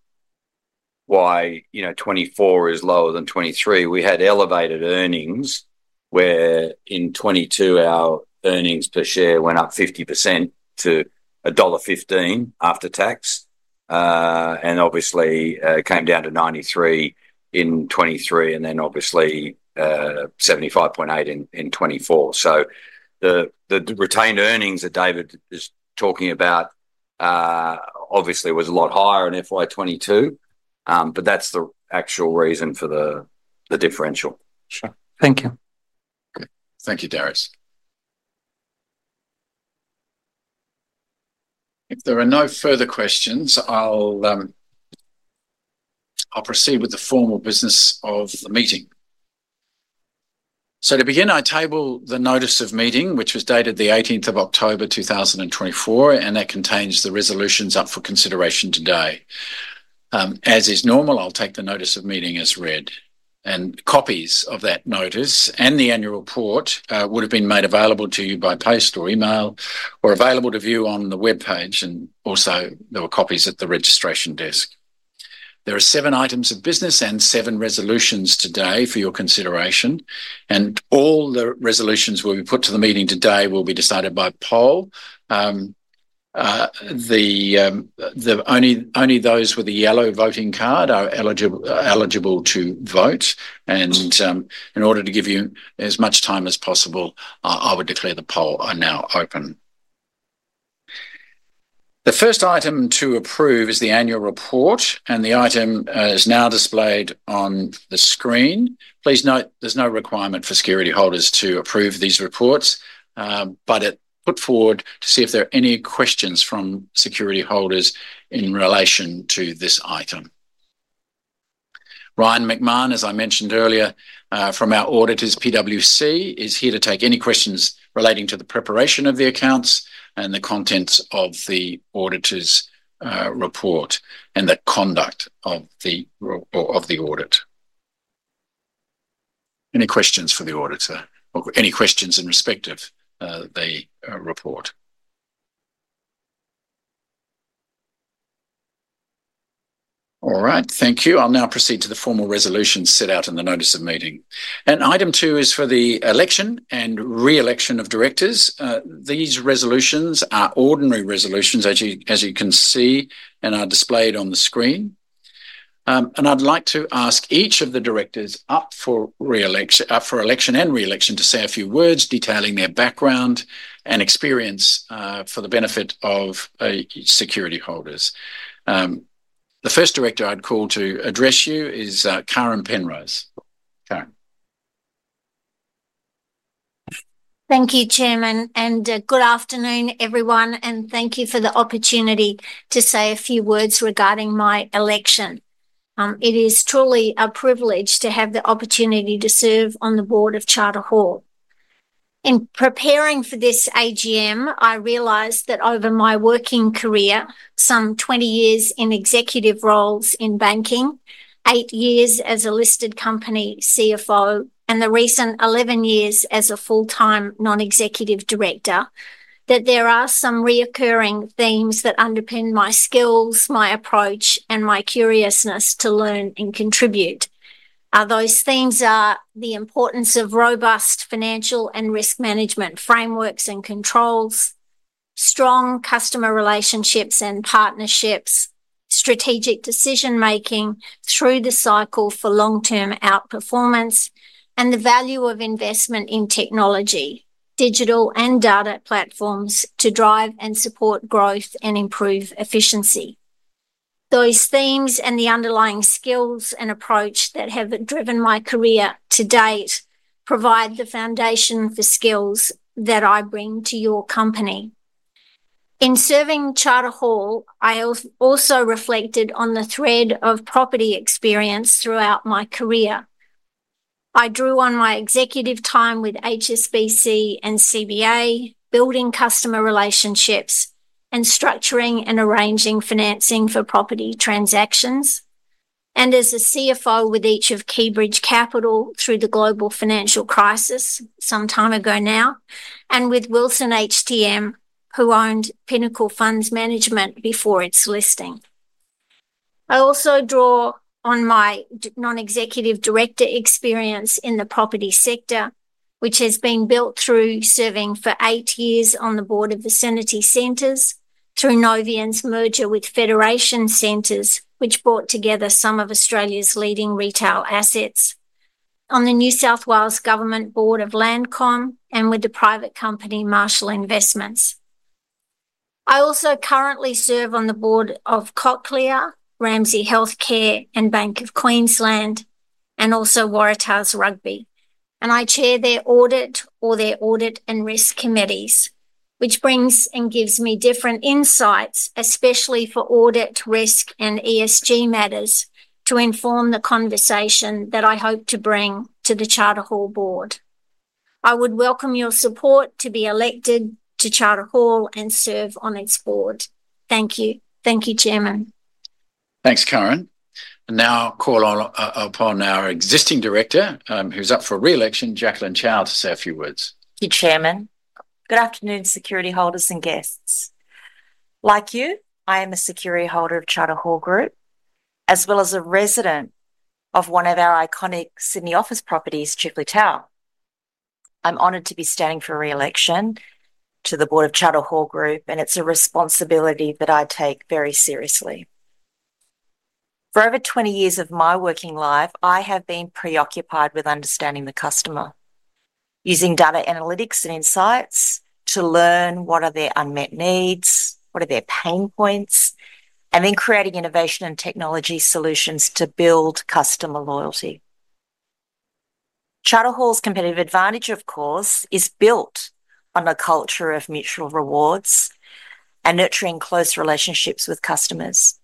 why, you know, 2024 is lower than 2023, we had elevated earnings where in 2022 our earnings per share went up 50% to dollar 1.15 after tax, and obviously, came down to 0.93 in 2023 and then obviously, 0.758 in 2024. So the retained earnings that David is talking about, obviously was a lot higher in FY 2022, but that's the actual reason for the differential. Sure. Thank you. Okay. Thank you, Dariusz. If there are no further questions, I'll proceed with the formal business of the meeting. So to begin, I table the notice of meeting, which was dated the 18th of October, 2024, and that contains the resolutions up for consideration today. As is normal, I'll take the notice of meeting as read, and copies of that notice and the annual report would have been made available to you by post or email or available to view on the webpage, and also there were copies at the registration desk. There are seven items of business and seven resolutions today for your consideration. And all the resolutions will be put to the meeting today will be decided by poll. The only those with the yellow voting card are eligible to vote. And, in order to give you as much time as possible, I would declare the poll are now open. The first item to approve is the annual report, and the item is now displayed on the screen. Please note, there's no requirement for security holders to approve these reports, but it's put forward to see if there are any questions from security holders in relation to this item. Ryan McMahon, as I mentioned earlier, from our auditors, PwC is here to take any questions relating to the preparation of the accounts and the contents of the auditor's report and the conduct of the audit. Any questions for the auditor or any questions in respect of the report? All right. Thank you. I'll now proceed to the formal resolutions set out in the notice of meeting. Item two is for the election and reelection of directors. These resolutions are ordinary resolutions, as you can see and are displayed on the screen. And I'd like to ask each of the directors up for reelection, up for election and reelection to say a few words detailing their background and experience, for the benefit of security holders. The first director I'd call to address you is Karen Penrose. Karen. Thank you, Chairman. And good afternoon, everyone. And thank you for the opportunity to say a few words regarding my election. It is truly a privilege to have the opportunity to serve on the board of Charter Hall. In preparing for this AGM, I realized that over my working career, some 20 years in executive roles in banking, eight years as a listed company CFO, and the recent 11 years as a full-time non-executive director, that there are some recurring themes that underpin my skills, my approach, and my curiousness to learn and contribute. Those things are the importance of robust financial and risk management frameworks and controls, strong customer relationships and partnerships, strategic decision making through the cycle for long-term outperformance, and the value of investment in technology, digital and data platforms to drive and support growth and improve efficiency. Those themes and the underlying skills and approach that have driven my career to date provide the foundation for skills that I bring to your company. In serving Charter Hall, I also reflected on the thread of property experience throughout my career. I drew on my executive time with HSBC and CBA, building customer relationships and structuring and arranging financing for property transactions, and as a CFO with each of Keybridge Capital through the global financial crisis some time ago now, and with Wilson HTM, who owned Pinnacle Funds Management before its listing. I also draw on my non-executive director experience in the property sector, which has been built through serving for eight years on the board of Vicinity Centres through Novion's merger with Federation Centres, which brought together some of Australia's leading retail assets, on the New South Wales Government Board of Landcom, and with the private company Marshall Investments. I also currently serve on the board of Cochlear, Ramsay Health Care, and Bank of Queensland, and also Waratahs Rugby. I chair their audit or their audit and risk committees, which brings and gives me different insights, especially for audit risk and ESG matters to inform the conversation that I hope to bring to the Charter Hall board. I would welcome your support to be elected to Charter Hall and serve on its board. Thank you. Thank you, Chairman. Thanks, Karen. Now I'll call upon our existing director, who's up for reelection, Jacqueline Chow, to say a few words. Thank you, Chairman. Good afternoon, security holders and guests. Like you, I am a security holder of Charter Hall Group, as well as a resident of one of our iconic Sydney office properties, Chifley Tower. I'm honored to be standing for reelection to the board of Charter Hall Group, and it's a responsibility that I take very seriously. For over 20 years of my working life, I have been preoccupied with understanding the customer, using data analytics and insights to learn what are their unmet needs, what are their pain points, and then creating innovation and technology solutions to build customer loyalty. Charter Hall's competitive advantage, of course, is built on a culture of mutual rewards and nurturing close relationships with customers.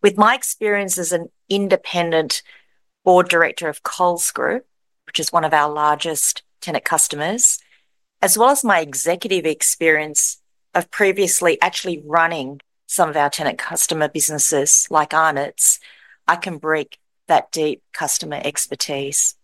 With my experience as an independent board director of Coles Group, which is one of our largest tenant customers, as well as my executive experience of previously actually running some of our tenant customer businesses like Arnott's, I can bring that deep customer expertise.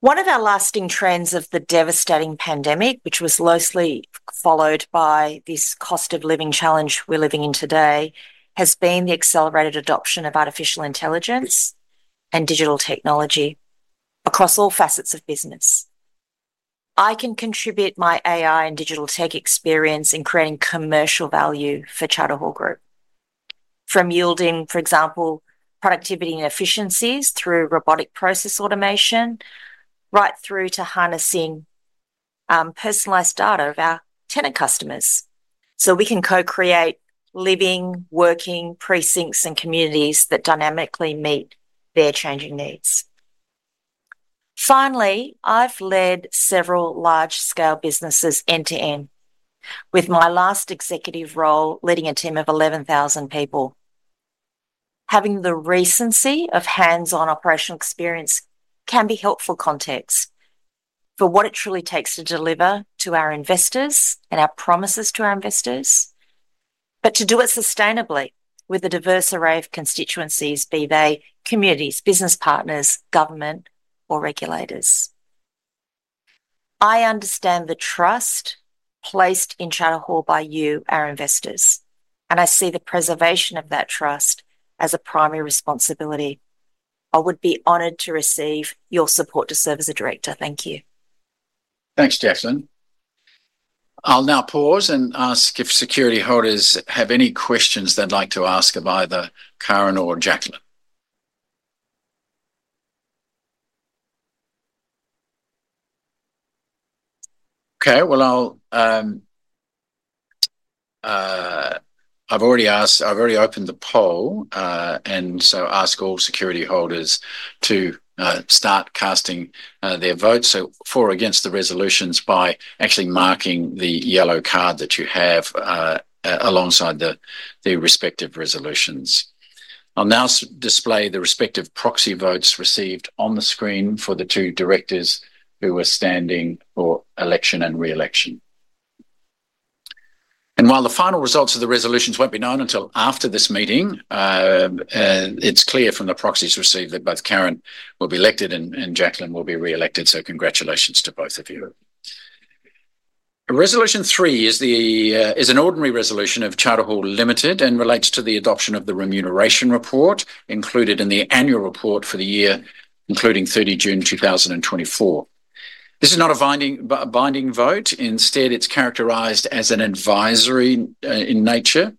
One of our lasting trends of the devastating pandemic, which was closely followed by this cost of living challenge we're living in today, has been the accelerated adoption of artificial intelligence and digital technology across all facets of business. I can contribute my AI and digital tech experience in creating commercial value for Charter Hall Group, from yielding, for example, productivity and efficiencies through robotic process automation, right through to harnessing, personalized data of our tenant customers so we can co-create living, working precincts and communities that dynamically meet their changing needs. Finally, I've led several large-scale businesses end to end with my last executive role leading a team of 11,000 people. Having the recency of hands-on operational experience can be helpful context for what it truly takes to deliver to our investors and our promises to our investors, but to do it sustainably with a diverse array of constituencies, be they communities, business partners, government, or regulators. I understand the trust placed in Charter Hall by you, our investors, and I see the preservation of that trust as a primary responsibility. I would be honored to receive your support to serve as a director. Thank you. Thanks, Jacqueline. I'll now pause and ask if security holders have any questions they'd like to ask of either Karen or Jacqueline. Okay, well, I've already opened the poll, and so ask all security holders to start casting their votes. So, for or against the resolutions by actually marking the yellow card that you have alongside the respective resolutions. I'll now display the respective proxy votes received on the screen for the two directors who were standing for election and reelection. And while the final results of the resolutions won't be known until after this meeting, it's clear from the proxies received that both Karen will be elected and Jacqueline will be reelected. So congratulations to both of you. Resolution three is an ordinary resolution of Charter Hall Limited and relates to the adoption of the Remuneration Report included in the Annual Report for the year, including 30 June 2024. This is not a binding, but a binding vote. Instead, it's characterized as an advisory in nature.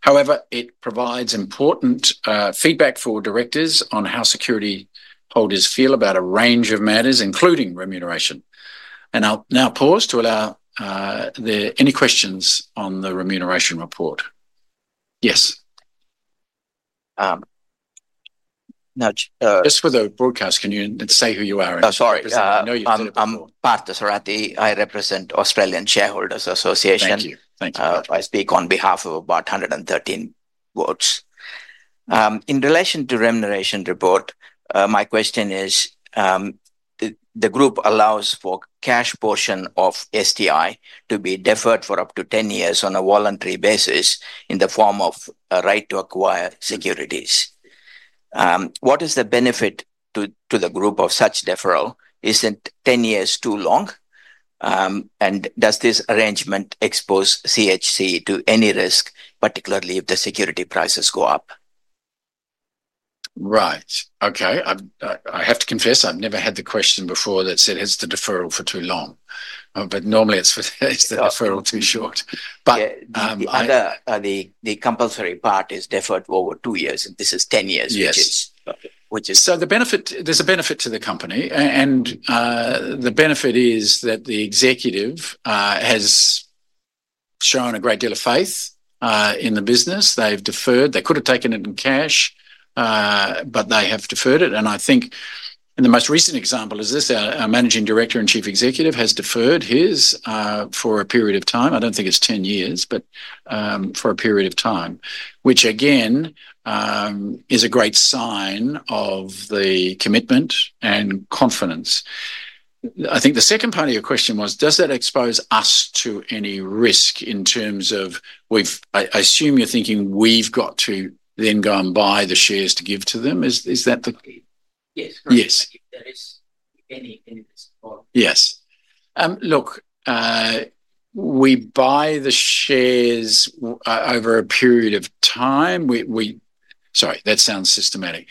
However, it provides important feedback for directors on how security holders feel about a range of matters, including remuneration. I'll now pause to allow any questions on the remuneration report. Yes. Now, just for the broadcast, can you say who you are? Sorry. I'm Partha Sarathy. I represent Australian Shareholders' Association. Thank you. Thank you. I speak on behalf of about 113 votes. In relation to the remuneration report, my question is, the group allows for a cash portion of STI to be deferred for up to 10 years on a voluntary basis in the form of a right to acquire securities. What is the benefit to the group of such deferral? Isn't 10 years too long? And does this arrangement expose CHC to any risk, particularly if the security prices go up? Right. Okay. I have to confess, I've never had the question before that said, is the deferral for too long? But normally it's for, it's the deferral too short. But the compulsory part is deferred for over two years, and this is 10 years. Which is so the benefit, there's a benefit to the company. And the benefit is that the executive has shown a great deal of faith in the business. They've deferred. They could have taken it in cash, but they have deferred it. And I think in the most recent example is this, our Managing Director and Chief Executive has deferred his for a period of time. I don't think it's 10 years, but for a period of time, which again is a great sign of the commitment and confidence. I think the second part of your question was, does that expose us to any risk in terms of we've. I assume you're thinking we've got to then go and buy the shares to give to them. Is that the yes, correct? Yes. That is any risk? Yes. Look, we buy the shares over a period of time. We, sorry, that sounds systematic.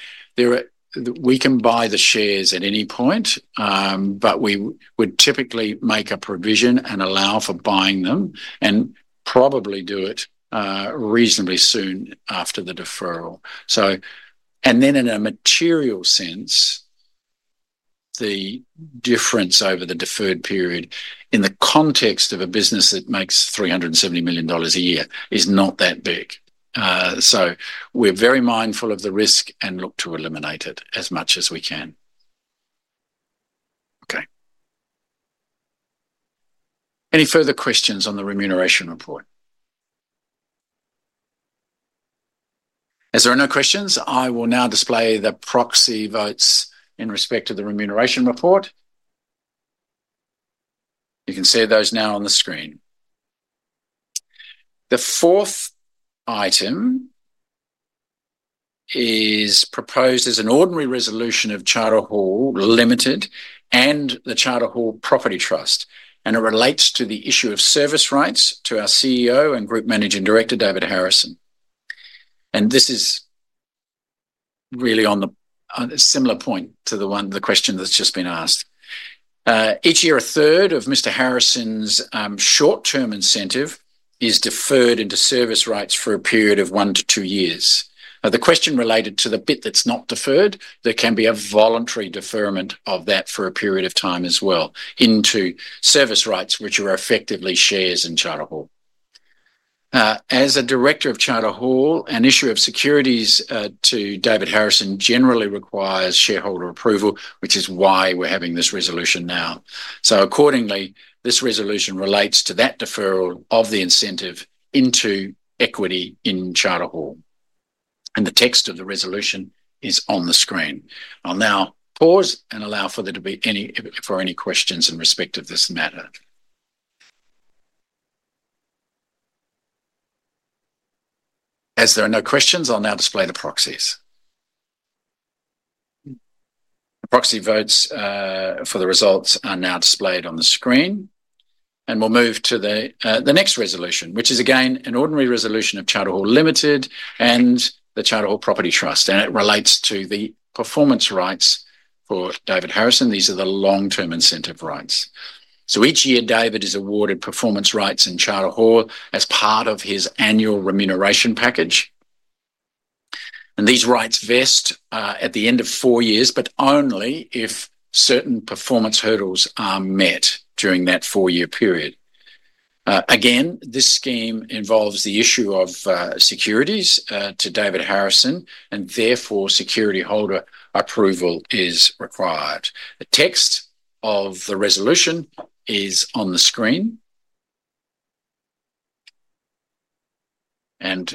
We can buy the shares at any point, but we would typically make a provision and allow for buying them and probably do it reasonably soon after the deferral. So and then in a material sense, the difference over the deferred period in the context of a business that makes 370 million dollars a year is not that big. So we are very mindful of the risk and look to eliminate it as much as we can. Okay. Any further questions on the remuneration report? As there are no questions, I will now display the proxy votes in respect to the remuneration report. You can see those now on the screen. The fourth item is proposed as an ordinary resolution of Charter Hall Limited and the Charter Hall Property Trust, and it relates to the issue of service rights to our CEO and group managing director, David Harrison. And this is really on the, on a similar point to the one, the question that's just been asked. Each year, 1/3 of Mr. Harrison's short-term incentive is deferred into service rights for a period of one to two years. The question related to the bit that's not deferred, there can be a voluntary deferment of that for a period of time as well into service rights, which are effectively shares in Charter Hall. As a director of Charter Hall, an issue of securities to David Harrison generally requires shareholder approval, which is why we're having this resolution now. Accordingly, this resolution relates to that deferral of the incentive into equity in Charter Hall. The text of the resolution is on the screen. I'll now pause and allow for there to be any questions in respect of this matter. As there are no questions, I'll now display the proxies. The proxy votes for the results are now displayed on the screen, and we'll move to the next resolution, which is again an ordinary resolution of Charter Hall Limited and the Charter Hall Property Trust, and it relates to the performance rights for David Harrison. These are the long-term incentive rights. Each year, David is awarded performance rights in Charter Hall as part of his annual remuneration package. These rights vest at the end of four years, but only if certain performance hurdles are met during that four-year period. Again, this scheme involves the issue of securities to David Harrison, and therefore security holder approval is required. The text of the resolution is on the screen, and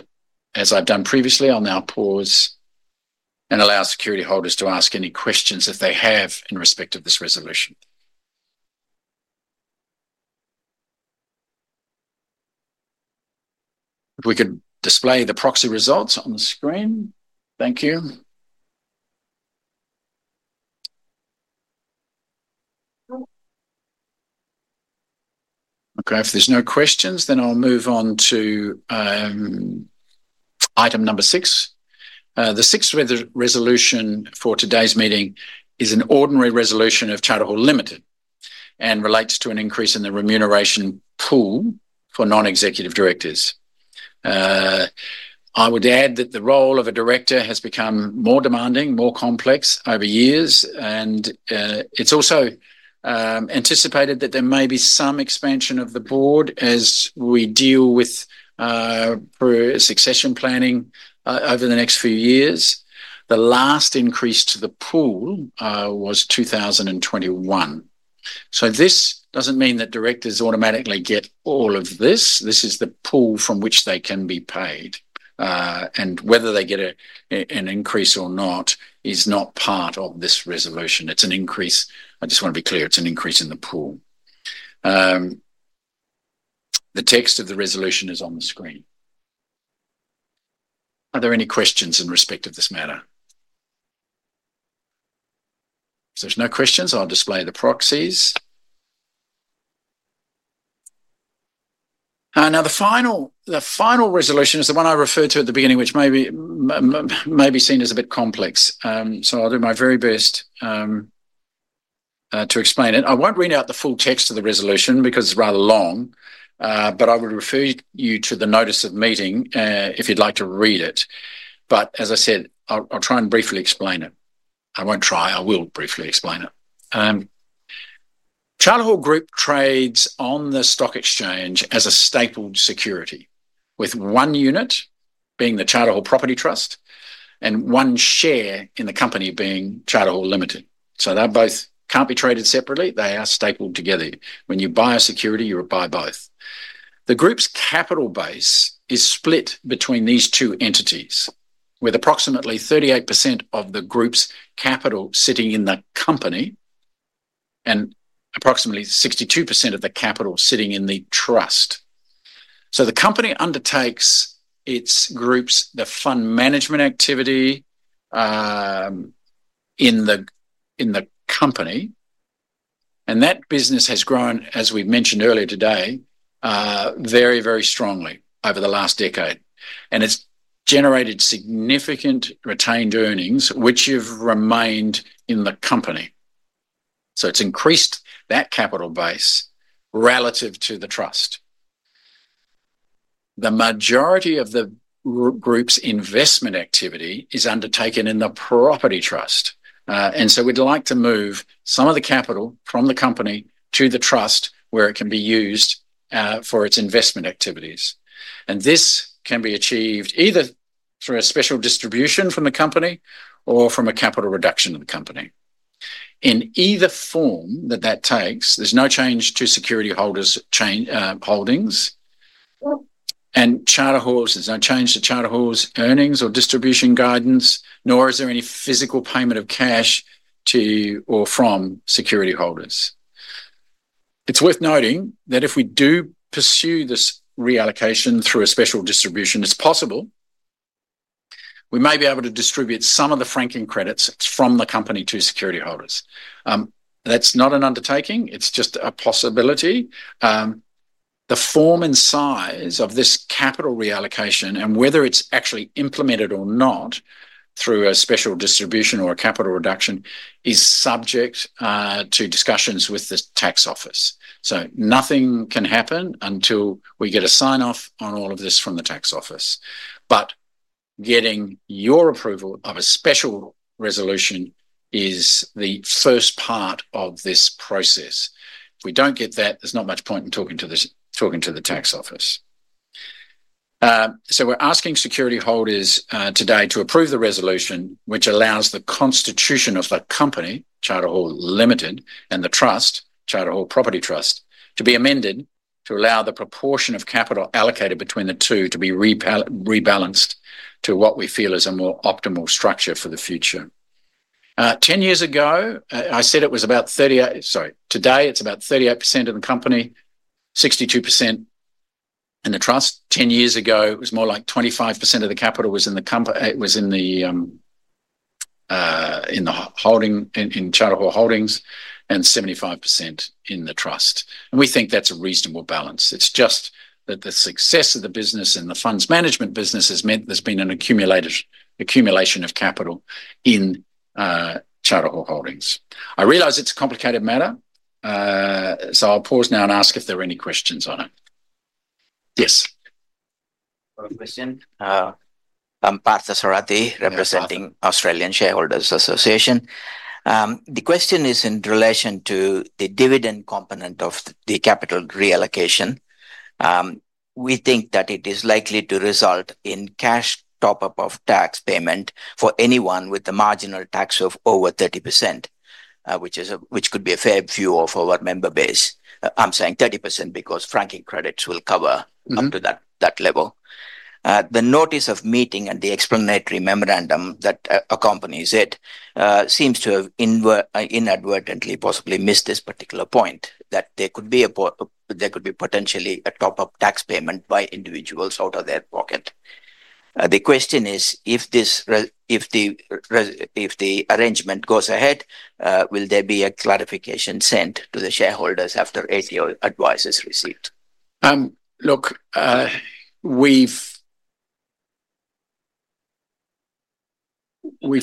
as I've done previously, I'll now pause and allow security holders to ask any questions that they have in respect of this resolution. If we could display the proxy results on the screen. Thank you. Okay. If there's no questions, then I'll move on to item number six. The sixth resolution for today's meeting is an ordinary resolution of Charter Hall Limited and relates to an increase in the remuneration pool for non-executive directors. I would add that the role of a director has become more demanding, more complex over years, and it's also anticipated that there may be some expansion of the board as we deal with our succession planning over the next few years. The last increase to the pool was 2021. So this doesn't mean that directors automatically get all of this. This is the pool from which they can be paid. And whether they get an increase or not is not part of this resolution. It's an increase. I just wanna be clear, it's an increase in the pool. The text of the resolution is on the screen. Are there any questions in respect of this matter? If there's no questions, I'll display the proxies. Now the final resolution is the one I referred to at the beginning, which may be seen as a bit complex. So I'll do my very best to explain it. I won't read out the full text of the resolution because it's rather long, but I would refer you to the notice of meeting, if you'd like to read it. But as I said, I'll, I'll try and briefly explain it. I won't try, I will briefly explain it. Charter Hall Group trades on the stock exchange as a stapled security, with one unit being the Charter Hall Property Trust and one share in the company being Charter Hall Limited. So they both can't be traded separately. They are stapled together. When you buy a security, you buy both. The group's capital base is split between these two entities, with approximately 38% of the group's capital sitting in the company and approximately 62% of the capital sitting in the trust. So the company undertakes its groups, the fund management activity, in the, in the company. And that business has grown, as we've mentioned earlier today, very, very strongly over the last decade, and it's generated significant retained earnings, which have remained in the company. So it's increased that capital base relative to the trust. The majority of the group's investment activity is undertaken in the property trust. And so we'd like to move some of the capital from the company to the trust where it can be used for its investment activities. And this can be achieved either through a special distribution from the company or from a capital reduction of the company. In either form that takes, there's no change to securityholders' holdings. And Charter Hall's, there's no change to Charter Hall's earnings or distribution guidance, nor is there any physical payment of cash to or from security holders. It's worth noting that if we do pursue this reallocation through a special distribution, it's possible we may be able to distribute some of the franking credits from the company to security holders. That's not an undertaking. It's just a possibility. The form and size of this capital reallocation and whether it's actually implemented or not through a special distribution or a capital reduction is subject to discussions with the tax office. So nothing can happen until we get a sign-off on all of this from the tax office. But getting your approval of a special resolution is the first part of this process. If we don't get that, there's not much point in talking to the tax office. So we're asking security holders today to approve the resolution, which allows the constitution of the company, Charter Hall Limited, and the trust, Charter Hall Property Trust, to be amended to allow the proportion of capital allocated between the two to be rebalanced to what we feel is a more optimal structure for the future. 10 years ago, I said it was about 38, sorry, today it's about 38% of the company, 62% in the trust. 10 years ago, it was more like 25% of the capital was in the comp, it was in the holding in Charter Hall Holdings and 75% in the trust. And we think that's a reasonable balance. It's just that the success of the business and the funds management business has meant there's been an accumulation of capital in Charter Hall Holdings. I realize it's a complicated matter. So I'll pause now and ask if there are any questions on it. Yes. One question. I'm Partha Sarathy representing Australian Shareholders' Association. The question is in relation to the dividend component of the capital reallocation. We think that it is likely to result in cash top-up of tax payment for anyone with a marginal tax of over 30%, which is, which could be a fair view of our member base. I'm saying 30% because franking credits will cover up to that level. The notice of meeting and the explanatory memorandum that accompanies it seems to have inadvertently possibly missed this particular point that there could be potentially a top-up tax payment by individuals out of their pocket. The question is if the arrangement goes ahead, will there be a clarification sent to the shareholders after tax advice is received? Look, we've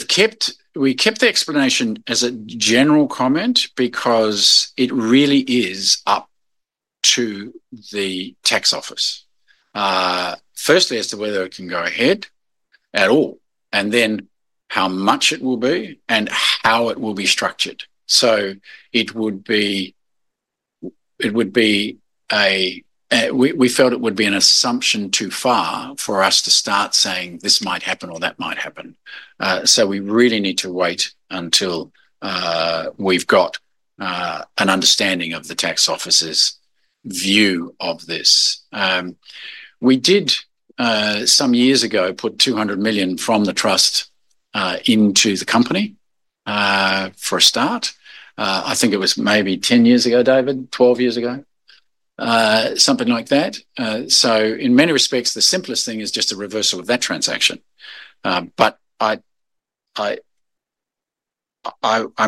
kept the explanation as a general comment because it really is up to the tax office. Firstly, as to whether it can go ahead at all, and then how much it will be and how it will be structured, so it would be an assumption too far for us to start saying this might happen or that might happen, so we really need to wait until we've got an understanding of the tax office's view of this. We did some years ago put 200 million from the trust into the company, for a start. I think it was maybe 10 years ago, David, 12 years ago, something like that, so in many respects, the simplest thing is just a reversal of that transaction, but I'm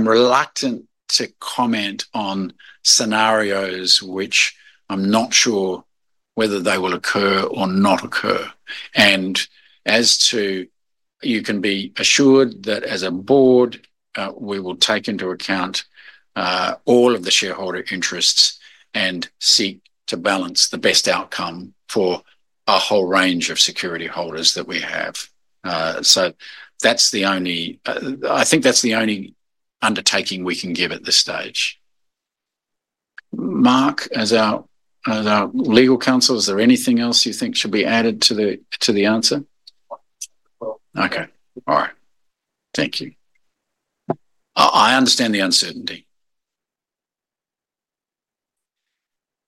reluctant to comment on scenarios which I'm not sure whether they will occur or not occur. And as to you, you can be assured that as a board, we will take into account all of the shareholder interests and seek to balance the best outcome for a whole range of security holders that we have. So that's the only, I think that's the only undertaking we can give at this stage. Mark, as our legal counsel, is there anything else you think should be added to the answer? Okay. All right. Thank you. I understand the uncertainty.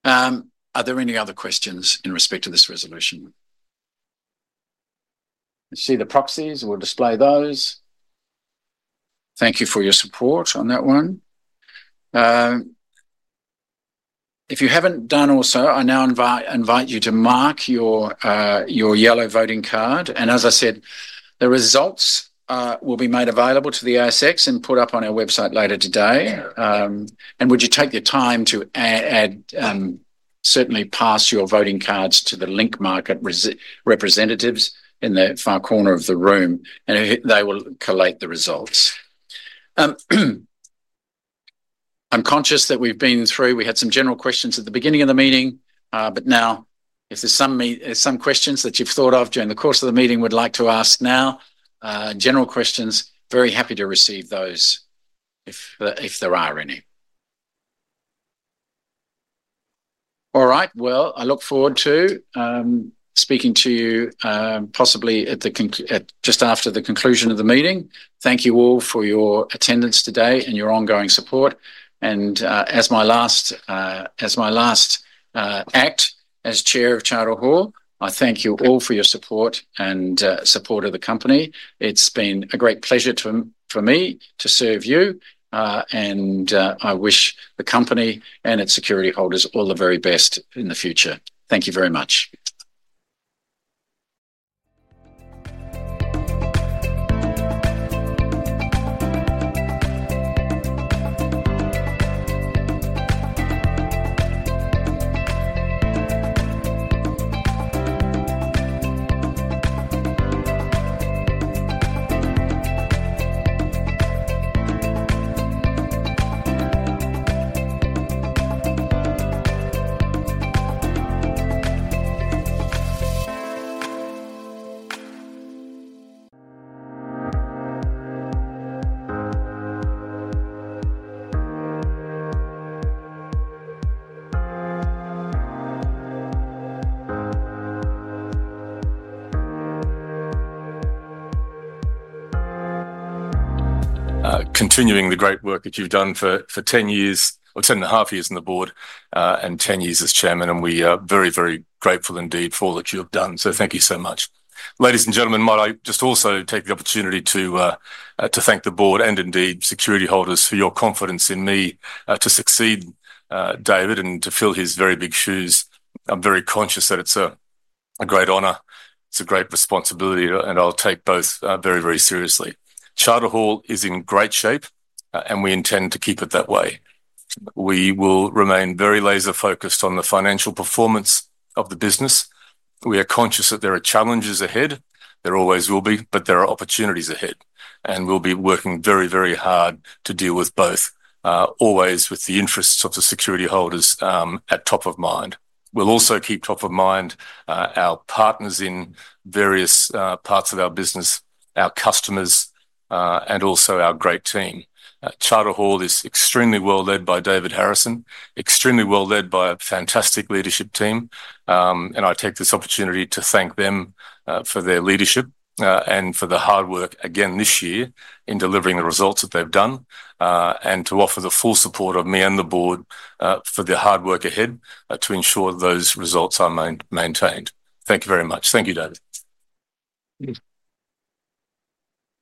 Are there any other questions in respect to this resolution? You see the proxies? We'll display those. Thank you for your support on that one. If you haven't done so also, I now invite you to mark your yellow voting card. And as I said, the results will be made available to the ASX and put up on our website later today. And would you take the time to add, certainly pass your voting cards to the Link Market representatives in the far corner of the room, and they will collate the results. I'm conscious that we've been through, we had some general questions at the beginning of the meeting, but now if there's some, some questions that you've thought of during the course of the meeting, would like to ask now, general questions, very happy to receive those if, if there are any. All right. Well, I look forward to speaking to you, possibly at the con, at just after the conclusion of the meeting. Thank you all for your attendance today and your ongoing support. And, as my last act as chair of Charter Hall, I thank you all for your support and support of the company. It's been a great pleasure for me to serve you, and I wish the company and its security holders all the very best in the future. Thank you very much. Continuing the great work that you've done for 10 years or 10 and 1/2 years on the board, and 10 years as chairman, and we are very, very grateful indeed for all that you have done. So thank you so much. Ladies and gentlemen, might I just also take the opportunity to thank the board and indeed security holders for your confidence in me, to succeed David, and to fill his very big shoes. I'm very conscious that it's a great honor. It's a great responsibility, and I'll take both very, very seriously. Charter Hall is in great shape, and we intend to keep it that way. We will remain very laser-focused on the financial performance of the business. We are conscious that there are challenges ahead. There always will be, but there are opportunities ahead, and we'll be working very, very hard to deal with both, always with the interests of the security holders at top of mind. We'll also keep top of mind our partners in various parts of our business, our customers, and also our great team. Charter Hall is extremely well led by David Harrison, extremely well led by a fantastic leadership team, and I take this opportunity to thank them for their leadership and for the hard work again this year in delivering the results that they've done, and to offer the full support of me and the board for the hard work ahead, to ensure those results are maintained. Thank you very much. Thank you, David.